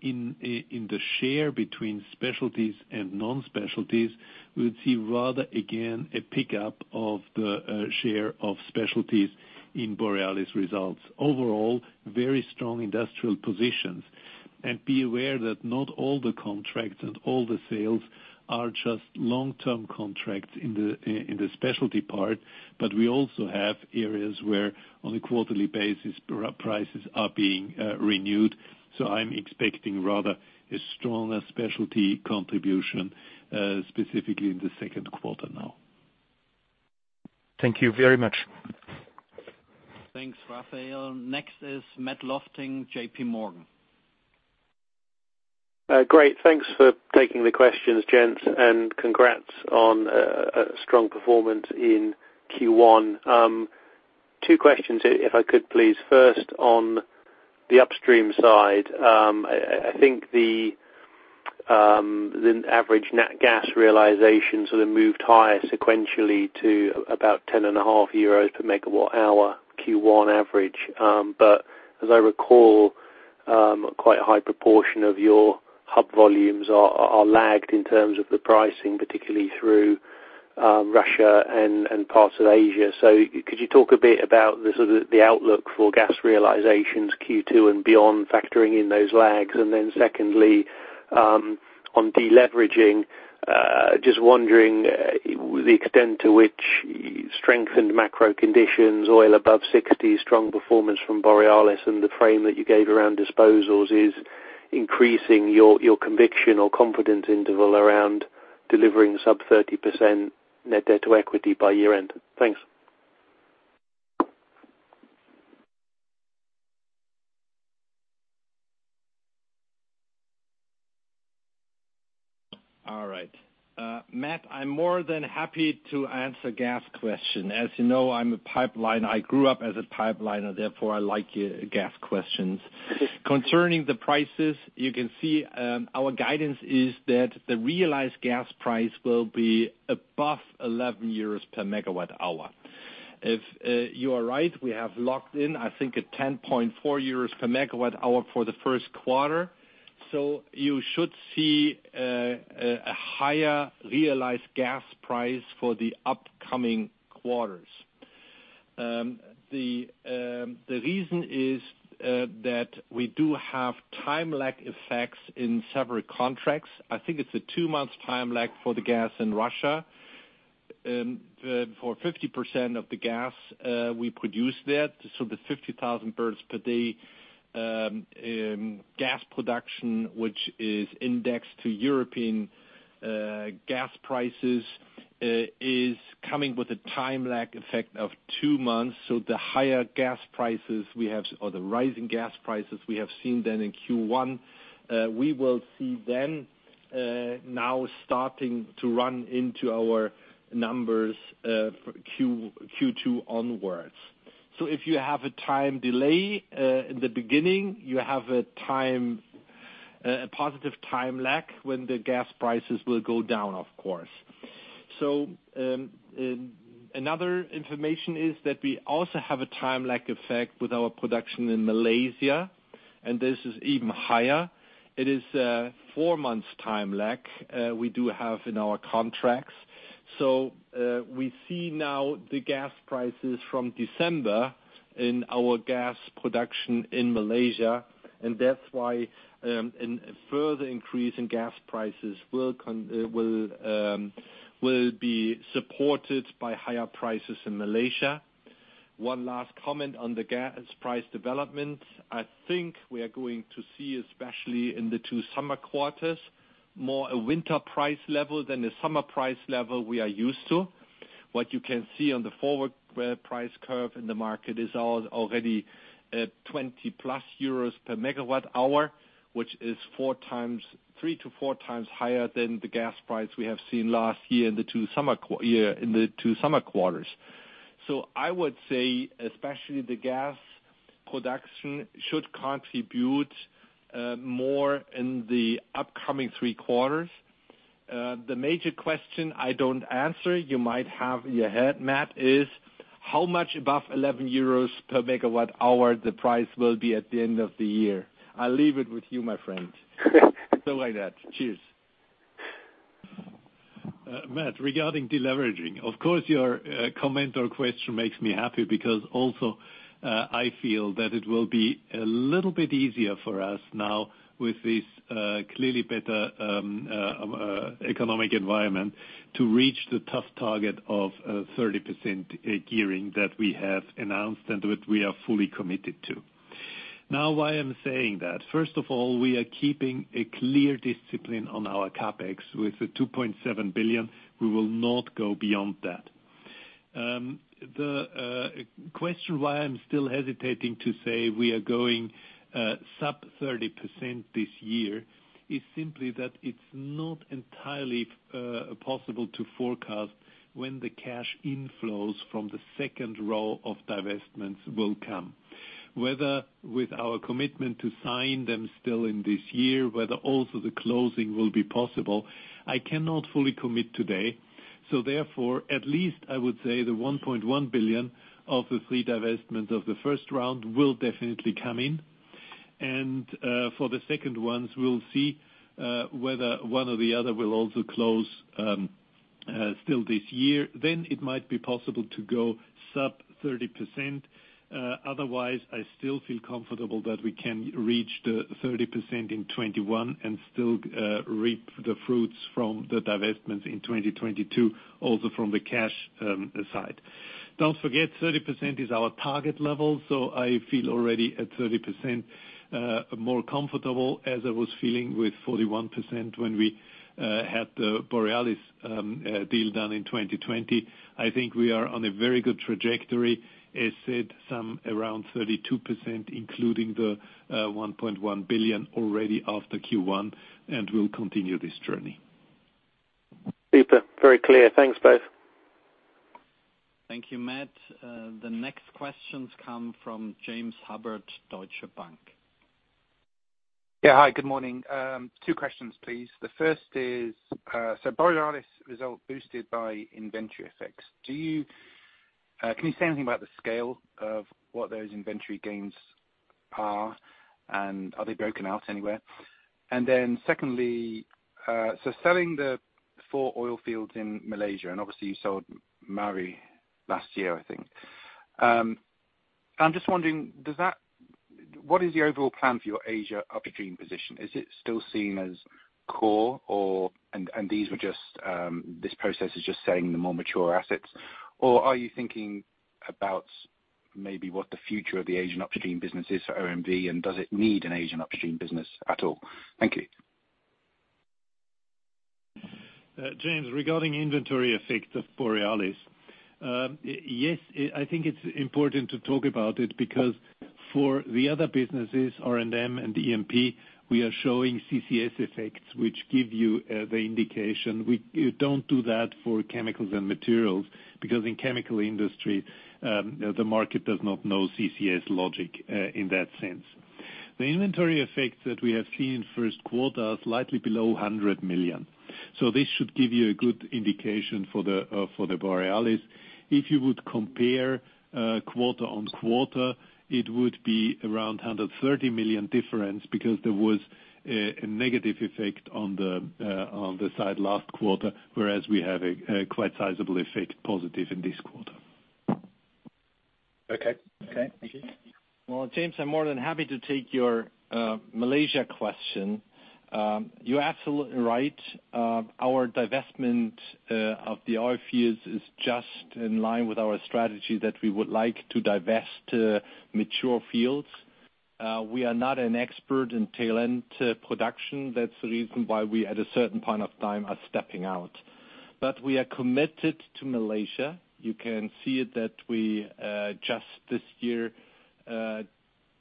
In the share between specialties and non-specialties, we'll see rather again, a pickup of the share of specialties in Borealis results. Overall, very strong industrial positions. Be aware that not all the contracts and all the sales are just long-term contracts in the specialty part, but we also have areas where on a quarterly basis, prices are being renewed. I'm expecting rather a stronger specialty contribution, specifically in the second quarter now. Thank you very much. Thanks, Raphaël. Next is Matt Lofting, JPMorgan. Great. Thanks for taking the questions, gents, and congrats on a strong performance in Q1. Two questions, if I could please. First on the upstream side. I think the average net gas realization sort of moved higher sequentially to about 10.5 euros per MWh Q1 average. As I recall, quite a high proportion of your hub volumes are lagged in terms of the pricing, particularly through Russia and parts of Asia. Could you talk a bit about the sort of the outlook for gas realizations Q2 and beyond, factoring in those lags? Secondly, on deleveraging, just wondering the extent to which strengthened macro conditions, oil above $60, strong performance from Borealis and the frame that you gave around disposals is increasing your conviction or confidence interval around delivering sub 30% net debt to equity by year end. Thanks. All right. Matt, I am more than happy to answer gas question. As you know, I am a pipeliner. I grew up as a pipeliner, therefore I like your gas questions. Concerning the prices, you can see our guidance is that the realized gas price will be above 11 euros per MWh. You are right, we have locked in, I think, at 10.4 euros per MWh for the first quarter. You should see a higher realized gas price for the upcoming quarters. The reason is that we do have time lag effects in several contracts. I think it is a two-month time lag for the gas in Russia. For 50% of the gas we produce there, so the 50,000 bpd gas production, which is indexed to European gas prices, is coming with a time lag effect of two months. The higher gas prices we have, or the rising gas prices we have seen then in Q1, we will see then now starting to run into our numbers for Q2 onwards. If you have a time delay in the beginning, you have a positive time lag when the gas prices will go down, of course. Another information is that we also have a time lag effect with our production in Malaysia, and this is even higher. It is a four months time lag we do have in our contracts. We see now the gas prices from December in our gas production in Malaysia and that's why a further increase in gas prices will be supported by higher prices in Malaysia. One last comment on the gas price development. I think we are going to see, especially in the two summer quarters, more a winter price level than the summer price level we are used to. What you can see on the forward price curve in the market is already 20+ euros per MWh, which is three to four times higher than the gas price we have seen last year in the two summer quarters. I would say especially the gas production should contribute more in the upcoming three quarters. The major question I don't answer you might have in your head, Matt, is how much above 11 euros per MWh the price will be at the end of the year? I'll leave it with you, my friend. Reinhard, cheers. Matt, regarding deleveraging, of course, your comment or question makes me happy because also I feel that it will be a little bit easier for us now with this clearly better economic environment to reach the tough target of 30% gearing that we have announced and that we are fully committed to. Why I'm saying that, first of all, we are keeping a clear discipline on our CapEx with the 2.7 billion. We will not go beyond that. The question why I'm still hesitating to say we are going sub 30% this year is simply that it's not entirely possible to forecast when the cash inflows from the second row of divestments will come. Whether with our commitment to sign them still in this year, whether also the closing will be possible, I cannot fully commit today. Therefore, at least I would say the 1.1 billion of the three divestment of the first round will definitely come in. For the second ones, we'll see whether one or the other will also close still this year, then it might be possible to go sub 30%. Otherwise, I still feel comfortable that we can reach the 30% in 2021 and still reap the fruits from the divestments in 2022, also from the cash side. Don't forget, 30% is our target level. I feel already at 30% more comfortable as I was feeling with 41% when we had the Borealis deal done in 2020. I think we are on a very good trajectory. As said, some around 32%, including the 1.1 billion already after Q1, and we'll continue this journey. Super. Very clear. Thanks both. Thank you, Matt. The next questions come from James Hubbard, Deutsche Bank. Yeah. Hi, good morning. Two questions, please. The first is, Borealis result boosted by inventory effects. Can you say anything about the scale of what those inventory gains are, and are they broken out anywhere? Secondly, selling the four oil fields in Malaysia, obviously you sold Maari last year, I think. I'm just wondering, what is your overall plan for your Asia upstream position? Is it still seen as core or, this process is just saying the more mature assets? Are you thinking about maybe what the future of the Asian upstream business is for OMV, does it need an Asian upstream business at all? Thank you. James, regarding inventory effect of Borealis. Yes, I think it's important to talk about it because for the other businesses, R&M and E&P, we are showing CCS effects, which give you the indication. We don't do that for chemicals and materials because in chemical industry, the market does not know CCS logic, in that sense. The inventory effects that we have seen first quarter are slightly below 100 million. This should give you a good indication for the Borealis. If you would compare quarter-on-quarter, it would be around 130 million difference because there was a negative effect on the side last quarter, whereas we have a quite sizable effect positive in this quarter. Okay. Thank you. Well, James, I'm more than happy to take your Malaysia question. You're absolutely right. Our divestment of the oil fields is just in line with our strategy that we would like to divest mature fields. We are not an expert in tail-end production. That's the reason why we, at a certain point of time, are stepping out. We are committed to Malaysia. You can see it that we just this year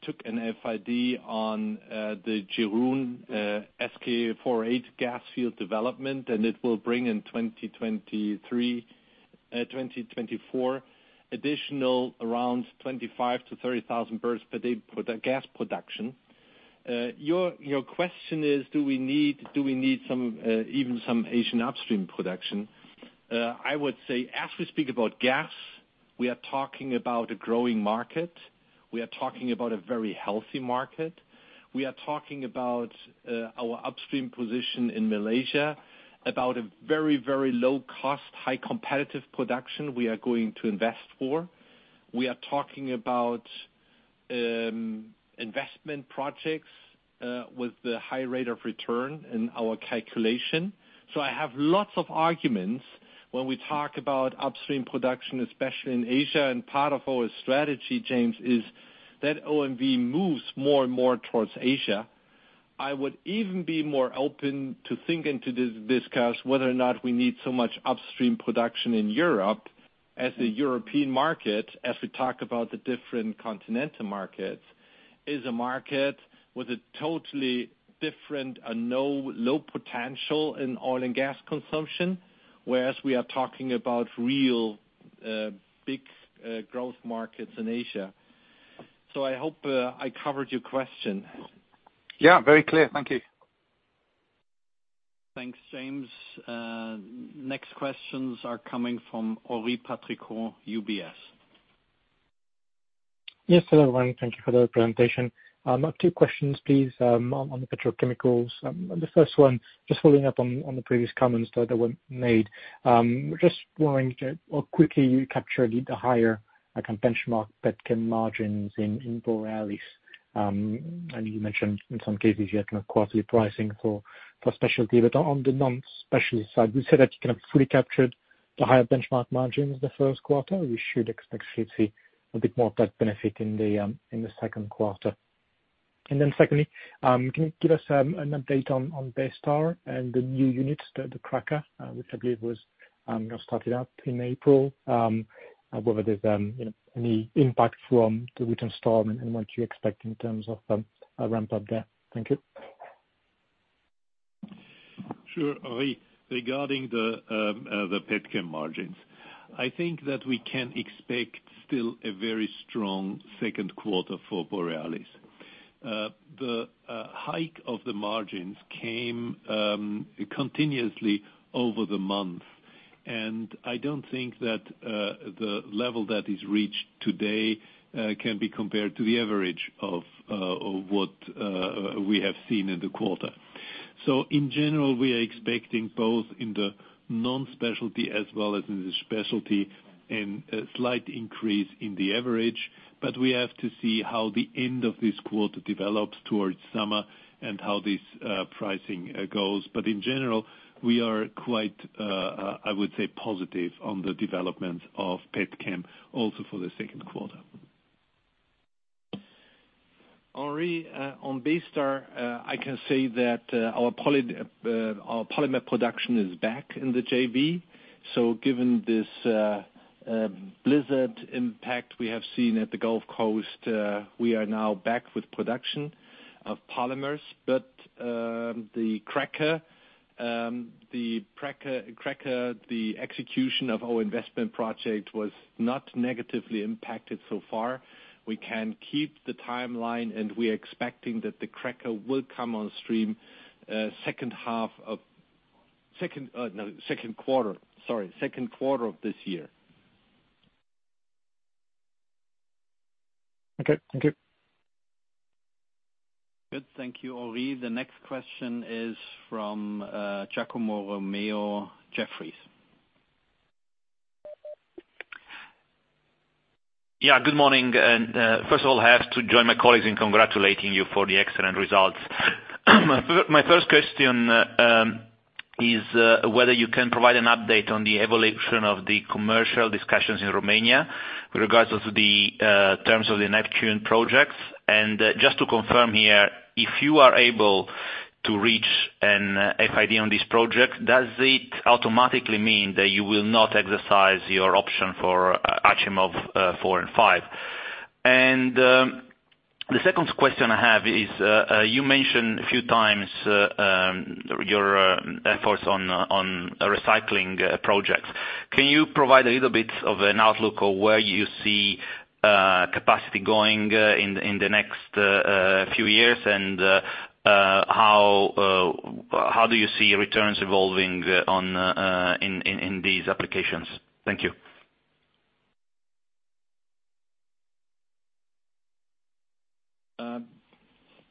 took an FID on the Jerun SK408 gas field development, and it will bring in 2023, 2024 additional around 25,000 bpd-30,000 bpd for the gas production. Your question is, do we need even some Asian upstream production? I would say as we speak about gas, we are talking about a growing market. We are talking about a very healthy market. We are talking about our upstream position in Malaysia, about a very low-cost, high competitive production we are going to invest for. We are talking about investment projects with the high rate of return in our calculation. I have lots of arguments when we talk about upstream production, especially in Asia, and part of our strategy, James, is that OMV moves more and more towards Asia. I would even be more open to thinking to discuss whether or not we need so much upstream production in Europe as the European market, as we talk about the different continental markets, is a market with a totally different and low potential in oil and gas consumption, whereas we are talking about real big growth markets in Asia. I hope I covered your question. Yeah, very clear. Thank you. Thanks, James. Next questions are coming from Henri Patricot, UBS. Yes. Hello everyone. Thank you for the presentation. I have two questions please, on the petrochemicals. The first one, just following up on the previous comments that were made. Just wondering how quickly you capture the higher benchmark petchem margins in Borealis. You mentioned in some cases you had quarterly pricing for specialty, but on the non-specialty side, would you say that you fully captured the higher benchmark margins the first quarter? We should expect to see a bit more of that benefit in the second quarter. Secondly, can you give us an update on Baystar and the new units, the cracker, which I believe was started up in April? Whether there is any impact from the winter storm and what you expect in terms of a ramp-up there. Thank you. Sure, Henri. Regarding the petchem margins, I think that we can expect still a very strong second quarter for Borealis. The hike of the margins came continuously over the month, and I don't think that the level that is reached today can be compared to the average of what we have seen in the quarter. In general, we are expecting both in the non-specialty as well as in the specialty, a slight increase in the average, but we have to see how the end of this quarter develops towards summer and how this pricing goes. In general, we are quite, I would say, positive on the development of petchem also for the second quarter. Henri, on Baystar, I can say that our polymer production is back in the JV. Given this blizzard impact we have seen at the Gulf Coast, we are now back with production of polymers. The cracker, the execution of our investment project was not negatively impacted so far. We can keep the timeline, and we are expecting that the cracker will come on stream second quarter of this year. Okay. Thank you. Good. Thank you, Henri. The next question is from Giacomo Romeo, Jefferies. Yeah, good morning. First of all, I have to join my colleagues in congratulating you for the excellent results. My first question is whether you can provide an update on the evolution of the commercial discussions in Romania with regards to the terms of the Neptun Deep. Just to confirm here, if you are able to reach an FID on this project, does it automatically mean that you will not exercise your option for Achimov 4A/5A? The second question I have is, you mentioned a few times your efforts on recycling projects. Can you provide a little bit of an outlook of where you see capacity going in the next few years, and how do you see returns evolving in these applications? Thank you.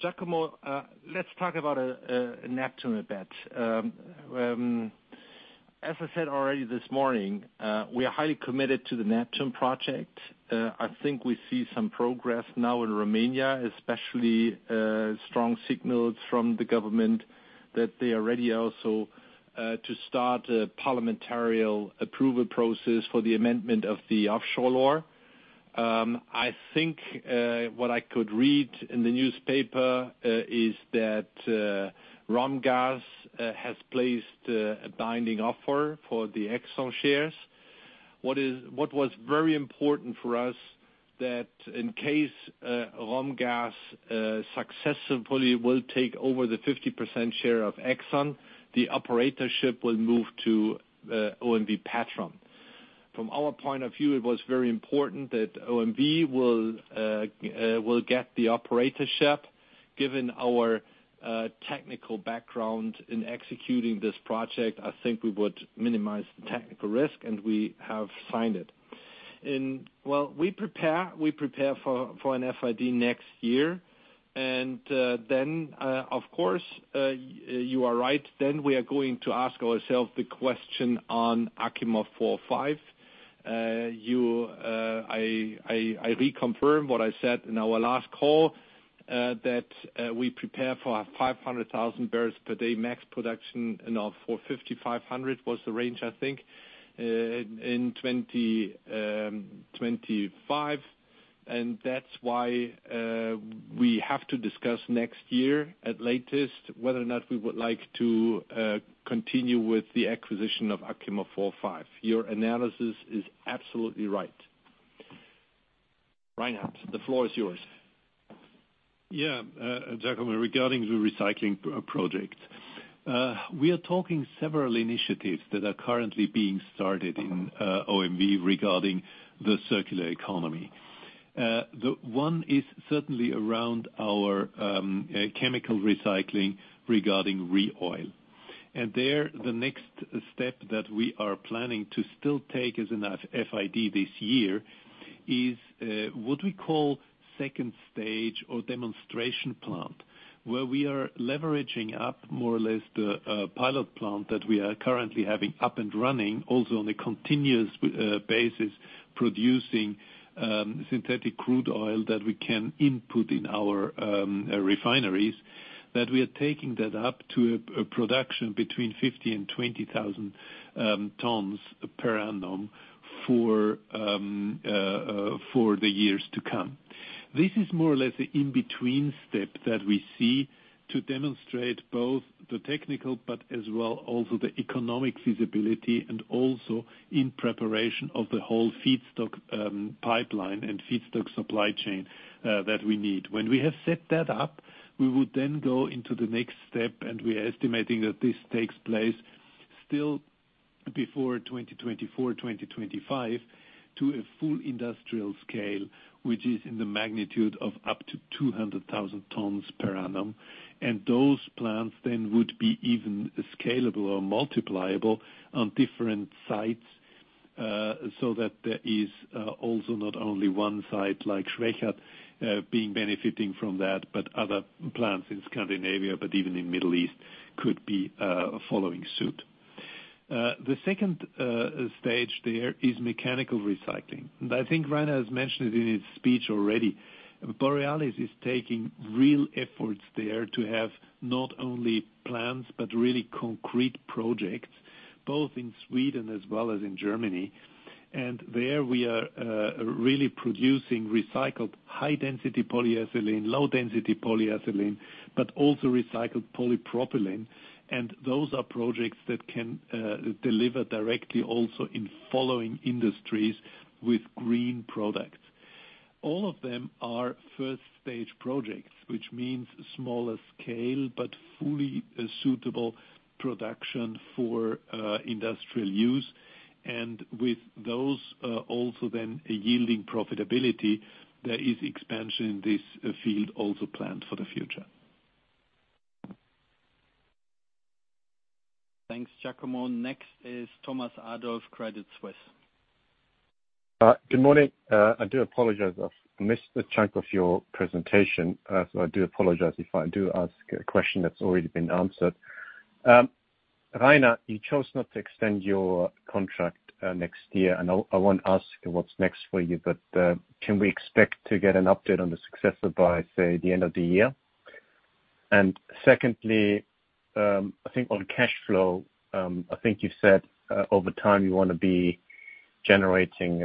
Giacomo, let's talk about Neptun Deep a bit. As I said already this morning, we are highly committed to the Neptun Deep project. I think we see some progress now in Romania, especially strong signals from the government that they are ready also to start a parliamentary approval process for the amendment of the offshore law. I think what I could read in the newspaper is that Romgaz has placed a binding offer for the Exxon shares. What was very important for us, that in case Romgaz successfully will take over the 50% share of Exxon, the operatorship will move to OMV Petrom. From our point of view, it was very important that OMV will get the operatorship. Given our technical background in executing this project, I think we would minimize the technical risk. We have signed it. Well, we prepare for an FID next year. Of course, you are right, then we are going to ask ourselves the question on Achimov 4A/5A. I reconfirm what I said in our last call, that we prepare for 500,000 bpd max production, and our 450-500 was the range, I think, in 2025. That's why we have to discuss next year at latest whether or not we would like to continue with the acquisition of Achimov 4A/5A. Your analysis is absolutely right. Reinhard, the floor is yours. Yeah. Giacomo, regarding the recycling project. We are talking several initiatives that are currently being started in OMV regarding the circular economy. One is certainly around our chemical recycling regarding ReOil. There, the next step that we are planning to still take is an FID this year, is what we call stage two or demonstration plant. Where we are leveraging up more or less the pilot plant that we are currently having up and running, also on a continuous basis, producing synthetic crude oil that we can input in our refineries. That we are taking that up to a production between 50,000 and 20,000 tons per annum for the years to come. This is more or less an in-between step that we see to demonstrate both the technical, but as well also the economic feasibility, and also in preparation of the whole feedstock pipeline and feedstock supply chain that we need. When we have set that up, we would then go into the next step, and we are estimating that this takes place still before 2024, 2025, to a full industrial scale, which is in the magnitude of up to 200,000 tons per annum. Those plants then would be even scalable or multipliable on different sites, so that there is also not only one site like Schwechat benefiting from that, but other plants in Scandinavia, but even in Middle East could be following suit. The stage two there is mechanical recycling. I think Rainer has mentioned it in his speech already. Borealis is taking real efforts there to have not only plans, but really concrete projects, both in Sweden as well as in Germany. There we are really producing recycled high-density polyethylene, low-density polyethylene, but also recycled polypropylene. Those are projects that can deliver directly also in following industries with green products. All of them are first-stage projects, which means smaller scale, but fully suitable production for industrial use. With those also yielding profitability, there is expansion in this field also planned for the future. Thanks, Giacomo. Next is Thomas Adolff, Credit Suisse. Good morning. I do apologize. I've missed a chunk of your presentation, so I do apologize if I do ask a question that's already been answered. Rainer, you chose not to extend your contract next year, and I won't ask what's next for you, but can we expect to get an update on the successor by, say, the end of the year? Secondly, I think on cash flow, I think you said over time you want to be generating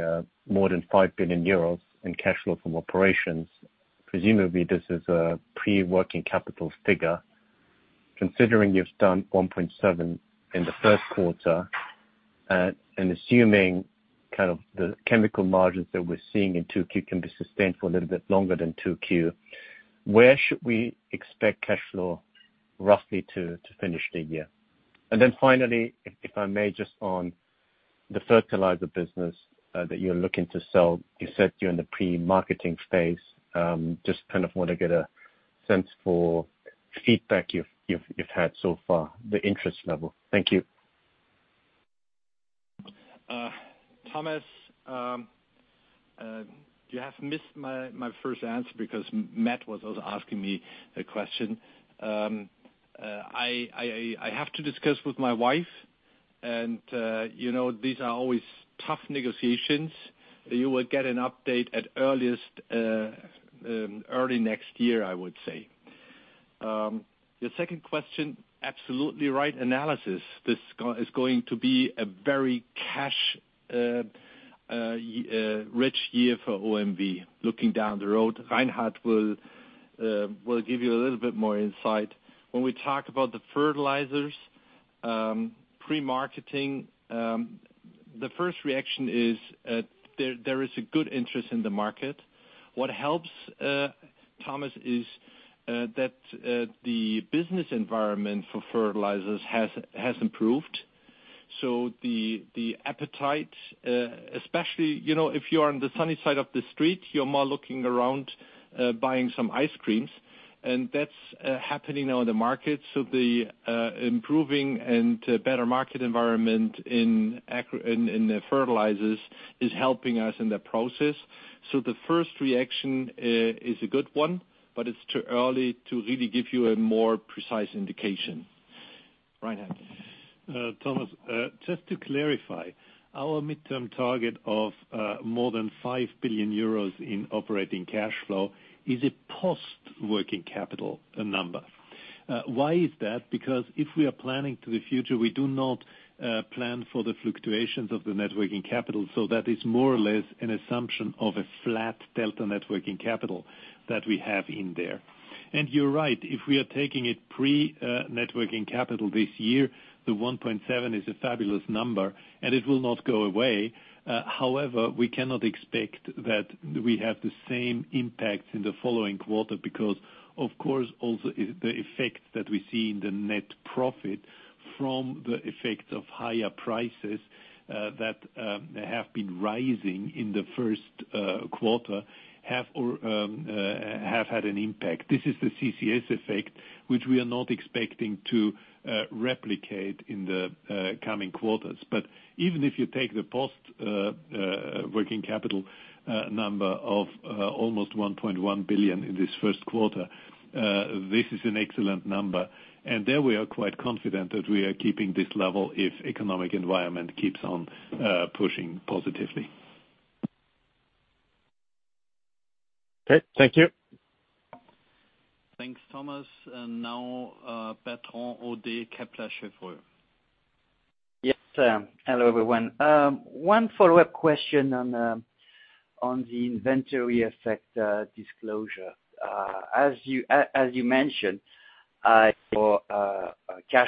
more than 5 billion euros in cash flow from operations. Presumably, this is a pre-working capital figure. Considering you've done 1.7 billion in the first quarter, and assuming the chemical margins that we're seeing in Q2 can be sustained for a little bit longer than Q2, where should we expect cash flow roughly to finish the year? Finally, if I may, just on the fertilizer business that you're looking to sell, you said you're in the pre-marketing phase. Just kind of want to get a sense for feedback you've had so far, the interest level. Thank you. Thomas, you have missed my first answer because Matt was also asking me a question. I have to discuss with my wife, and these are always tough negotiations. You will get an update at earliest, early next year, I would say. Your second question, absolutely right analysis. This is going to be a very cash-rich year for OMV, looking down the road. Reinhard will give you a little bit more insight. When we talk about the fertilizers pre-marketing, the first reaction is there is a good interest in the market. What helps, Thomas, is that the business environment for fertilizers has improved. The appetite, especially if you are on the sunny side of the street, you're more looking around buying some ice creams. That's happening now in the market. The improving and better market environment in the fertilizers is helping us in that process. The first reaction is a good one, but it's too early to really give you a more precise indication. Reinhard. Thomas, just to clarify, our midterm target of more than 5 billion euros in operating cash flow is a post-working capital number. Why is that? Because if we are planning to the future, we do not plan for the fluctuations of the net working capital, so that is more or less an assumption of a flat delta net working capital that we have in there. You're right, if we are taking it pre-net working capital this year, the 1.7 is a fabulous number, and it will not go away. However, we cannot expect that we have the same impact in the following quarter because, of course, also the effect that we see in the net profit from the effect of higher prices that have been rising in the first quarter have had an impact. This is the CCS effect, which we are not expecting to replicate in the coming quarters. Even if you take the post working capital number of almost 1.1 billion in this first quarter, this is an excellent number, and there we are quite confident that we are keeping this level if economic environment keeps on pushing positively. Okay. Thank you. Thanks, Thomas Adolff. Now, Bertrand Hodée, Kepler Cheuvreux. Yes. Hello, everyone. One follow-up question on the inventory effect disclosure. As you mentioned, cash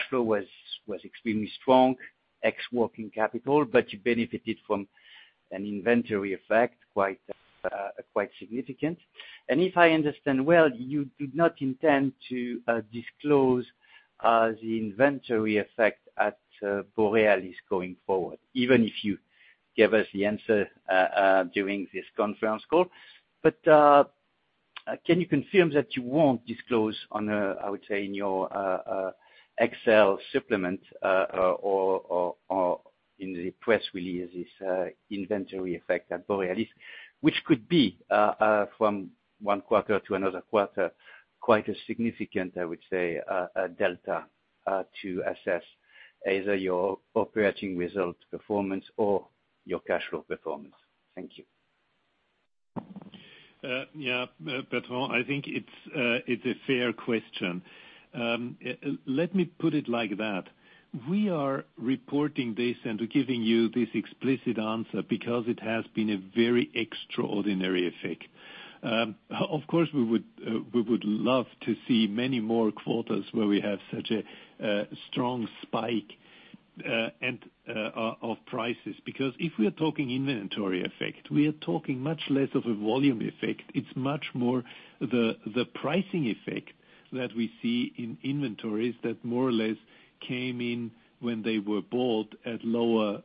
flow was extremely strong, ex working capital, but you benefited from an inventory effect quite significant. If I understand well, you do not intend to disclose the inventory effect at Borealis going forward, even if you give us the answer during this conference call. Can you confirm that you won't disclose on a, I would say in your Excel supplement, or in the press release, this inventory effect at Borealis, which could be, from one quarter to another quarter, quite a significant, I would say, delta to assess either your operating results performance or your cash flow performance. Thank you. Yeah. Bertrand Hodée, I think it's a fair question. Let me put it like that. We are reporting this and giving you this explicit answer because it has been a very extraordinary effect. Of course, we would love to see many more quarters where we have such a strong spike of prices. If we're talking inventory effect, we are talking much less of a volume effect. It's much more the pricing effect that we see in inventories that more or less came in when they were bought at lower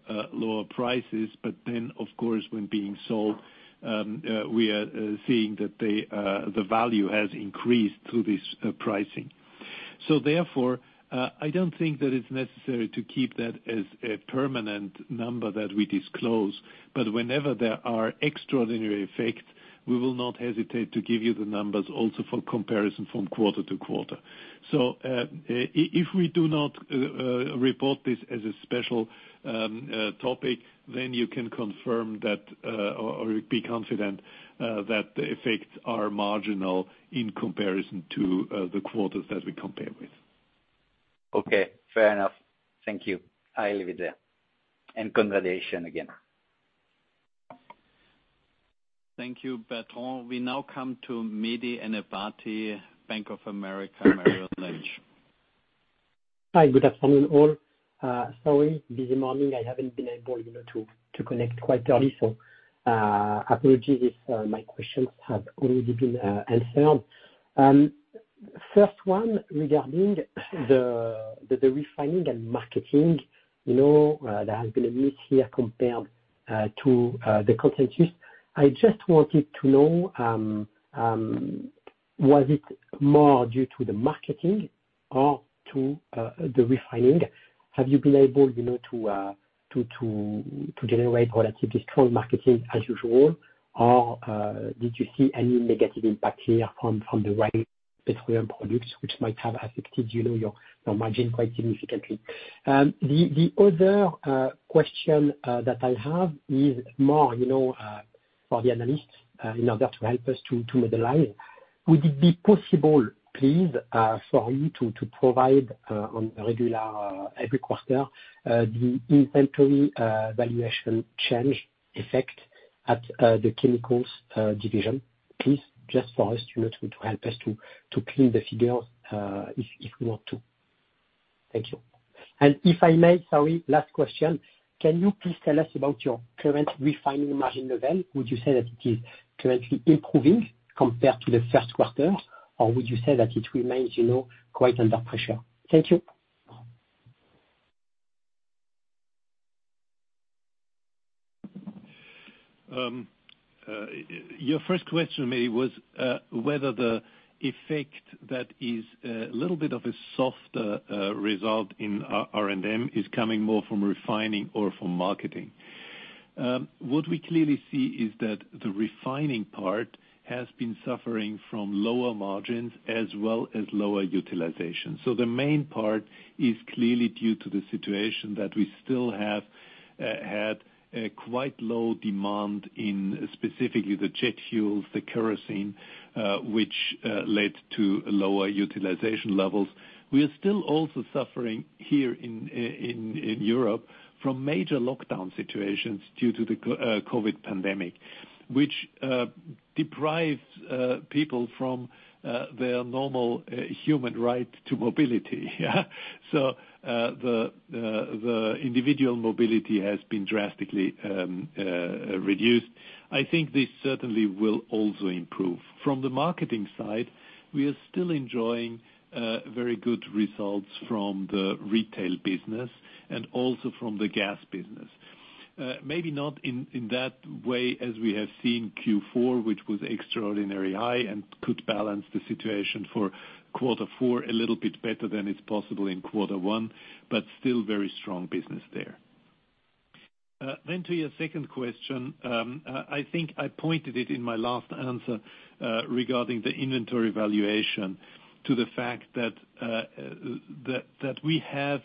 prices. Of course, when being sold, we are seeing that the value has increased through this pricing. Therefore, I don't think that it's necessary to keep that as a permanent number that we disclose. Whenever there are extraordinary effects, we will not hesitate to give you the numbers also for comparison from quarter-to-quarter. If we do not report this as a special topic, you can confirm that or be confident that the effects are marginal in comparison to the quarters that we compare with. Okay, fair enough. Thank you. I'll leave it there. Congratulations again. Thank you, Bertrand. We now come to Mehdi Ennabati, Bank of America Merrill Lynch. Hi. Good afternoon, all. Sorry, busy morning. I haven't been able to connect quite early, so apologies if my questions have already been answered. First one regarding the Refining & Marketing. There has been a miss here compared to the consensus. I just wanted to know, was it more due to the marketing or to the refining? Have you been able to generate relatively strong marketing as usual, or did you see any negative impact here from the white petroleum products, which might have affected your margin quite significantly? The other question that I have is more for the analysts in order to help us to modelize. Would it be possible, please, for you to provide on a regular, every quarter, the inventory valuation change effect at the chemicals division, please? Just for us to help us to clean the figures, if we want to. Thank you. If I may, sorry, last question. Can you please tell us about your current refining margin level? Would you say that it is currently improving from compared to the first quarter, or would you say that it remains quite under pressure? Thank you. Your first question, Mehdi, was whether the effect that is a little bit of a softer result in R&M is coming more from refining or from marketing. We clearly see is that the refining part has been suffering from lower margins as well as lower utilization. The main part is clearly due to the situation that we still have had a quite low demand in specifically the jet fuels, the kerosene, which led to lower utilization levels. We are still also suffering here in Europe from major lockdown situations due to the COVID pandemic, which deprives people from their normal human right to mobility. The individual mobility has been drastically reduced. I think this certainly will also improve. From the marketing side, we are still enjoying very good results from the retail business and also from the gas business. Maybe not in that way as we have seen Q4, which was extraordinarily high and could balance the situation for quarter four a little bit better than is possible in quarter one, but still very strong business there. To your second question, I think I pointed it in my last answer, regarding the inventory valuation to the fact that we have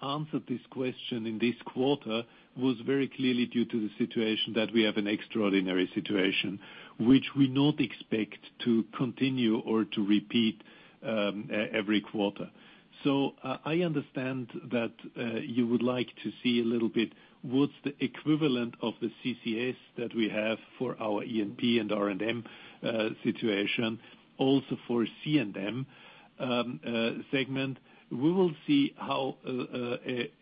answered this question in this quarter was very clearly due to the situation that we have an extraordinary situation which we not expect to continue or to repeat every quarter. I understand that you would like to see a little bit what's the equivalent of the CCS that we have for our E&P and R&M situation also for C&M segment. We will see how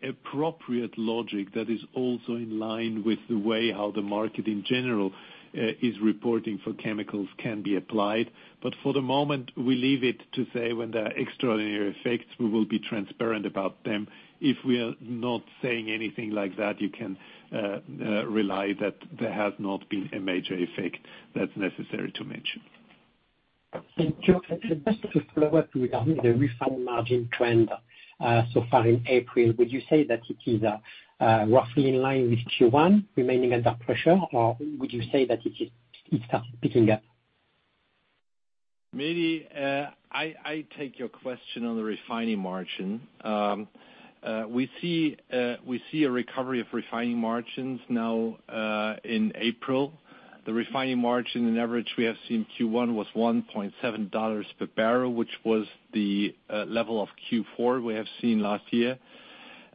appropriate logic that is also in line with the way how the market in general is reporting for chemicals can be applied. For the moment, we leave it to say when there are extraordinary effects, we will be transparent about them. If we are not saying anything like that, you can rely that there has not been a major effect that is necessary to mention. Thank you. Just to follow up regarding the refined margin trend so far in April, would you say that it is roughly in line with Q1 remaining under pressure, or would you say that it starts picking up? Maybe I take your question on the refining margin. We see a recovery of refining margins now in April. The refining margin in average we have seen Q1 was $1.70 per bbl, which was the level of Q4 we have seen last year.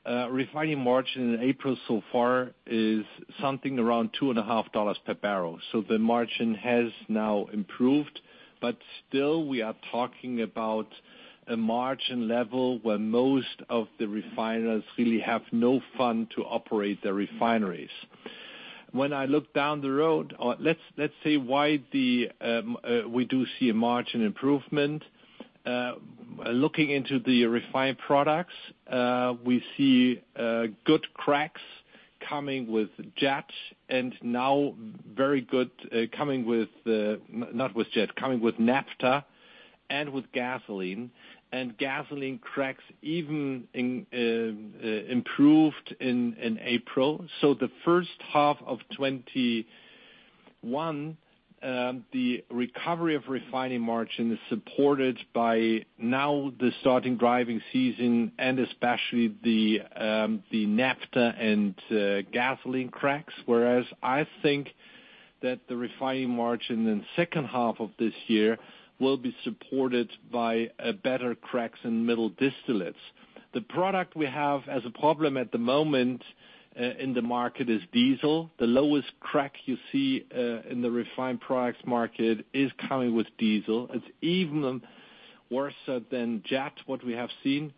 Refining margin in April so far is something around $2.50 per bbl. The margin has now improved, but still we are talking about a margin level where most of the refiners really have no fund to operate their refineries. When I look down the road, let's say why we do see a margin improvement. Looking into the refined products, we see good cracks coming with jet and now very good coming with naphtha and with gasoline. Gasoline cracks even improved in April. The first half of 2021, the recovery of refining margin is supported by now the starting driving season and especially the naphtha and gasoline cracks, whereas I think that the refining margin in the second half of this year will be supported by better cracks in middle distillates. The product we have as a problem at the moment in the market is diesel. The lowest crack you see in the refined products market is coming with diesel. It's even worser than jet, what we have seen.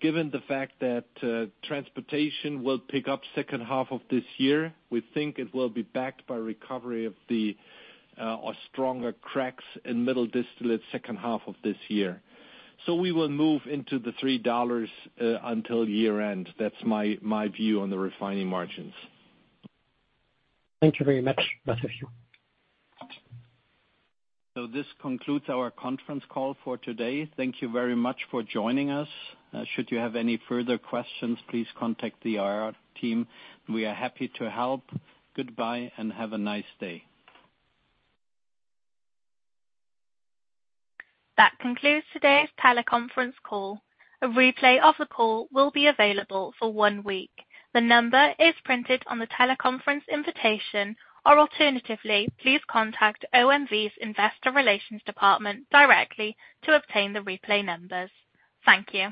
Given the fact that transportation will pick up second half of this year, we think it will be backed by recovery of the stronger cracks in middle distillate second half of this year. We will move into the EUR 3 until year-end. That's my view on the refining margins. Thank you very much. This concludes our conference call for today. Thank you very much for joining us. Should you have any further questions, please contact the IR team. We are happy to help. Goodbye and have a nice day. That concludes today's teleconference call. A replay of the call will be available for one week. The number is printed on the teleconference invitation, or alternatively, please contact OMV's Investor Relations department directly to obtain the replay numbers. Thank you.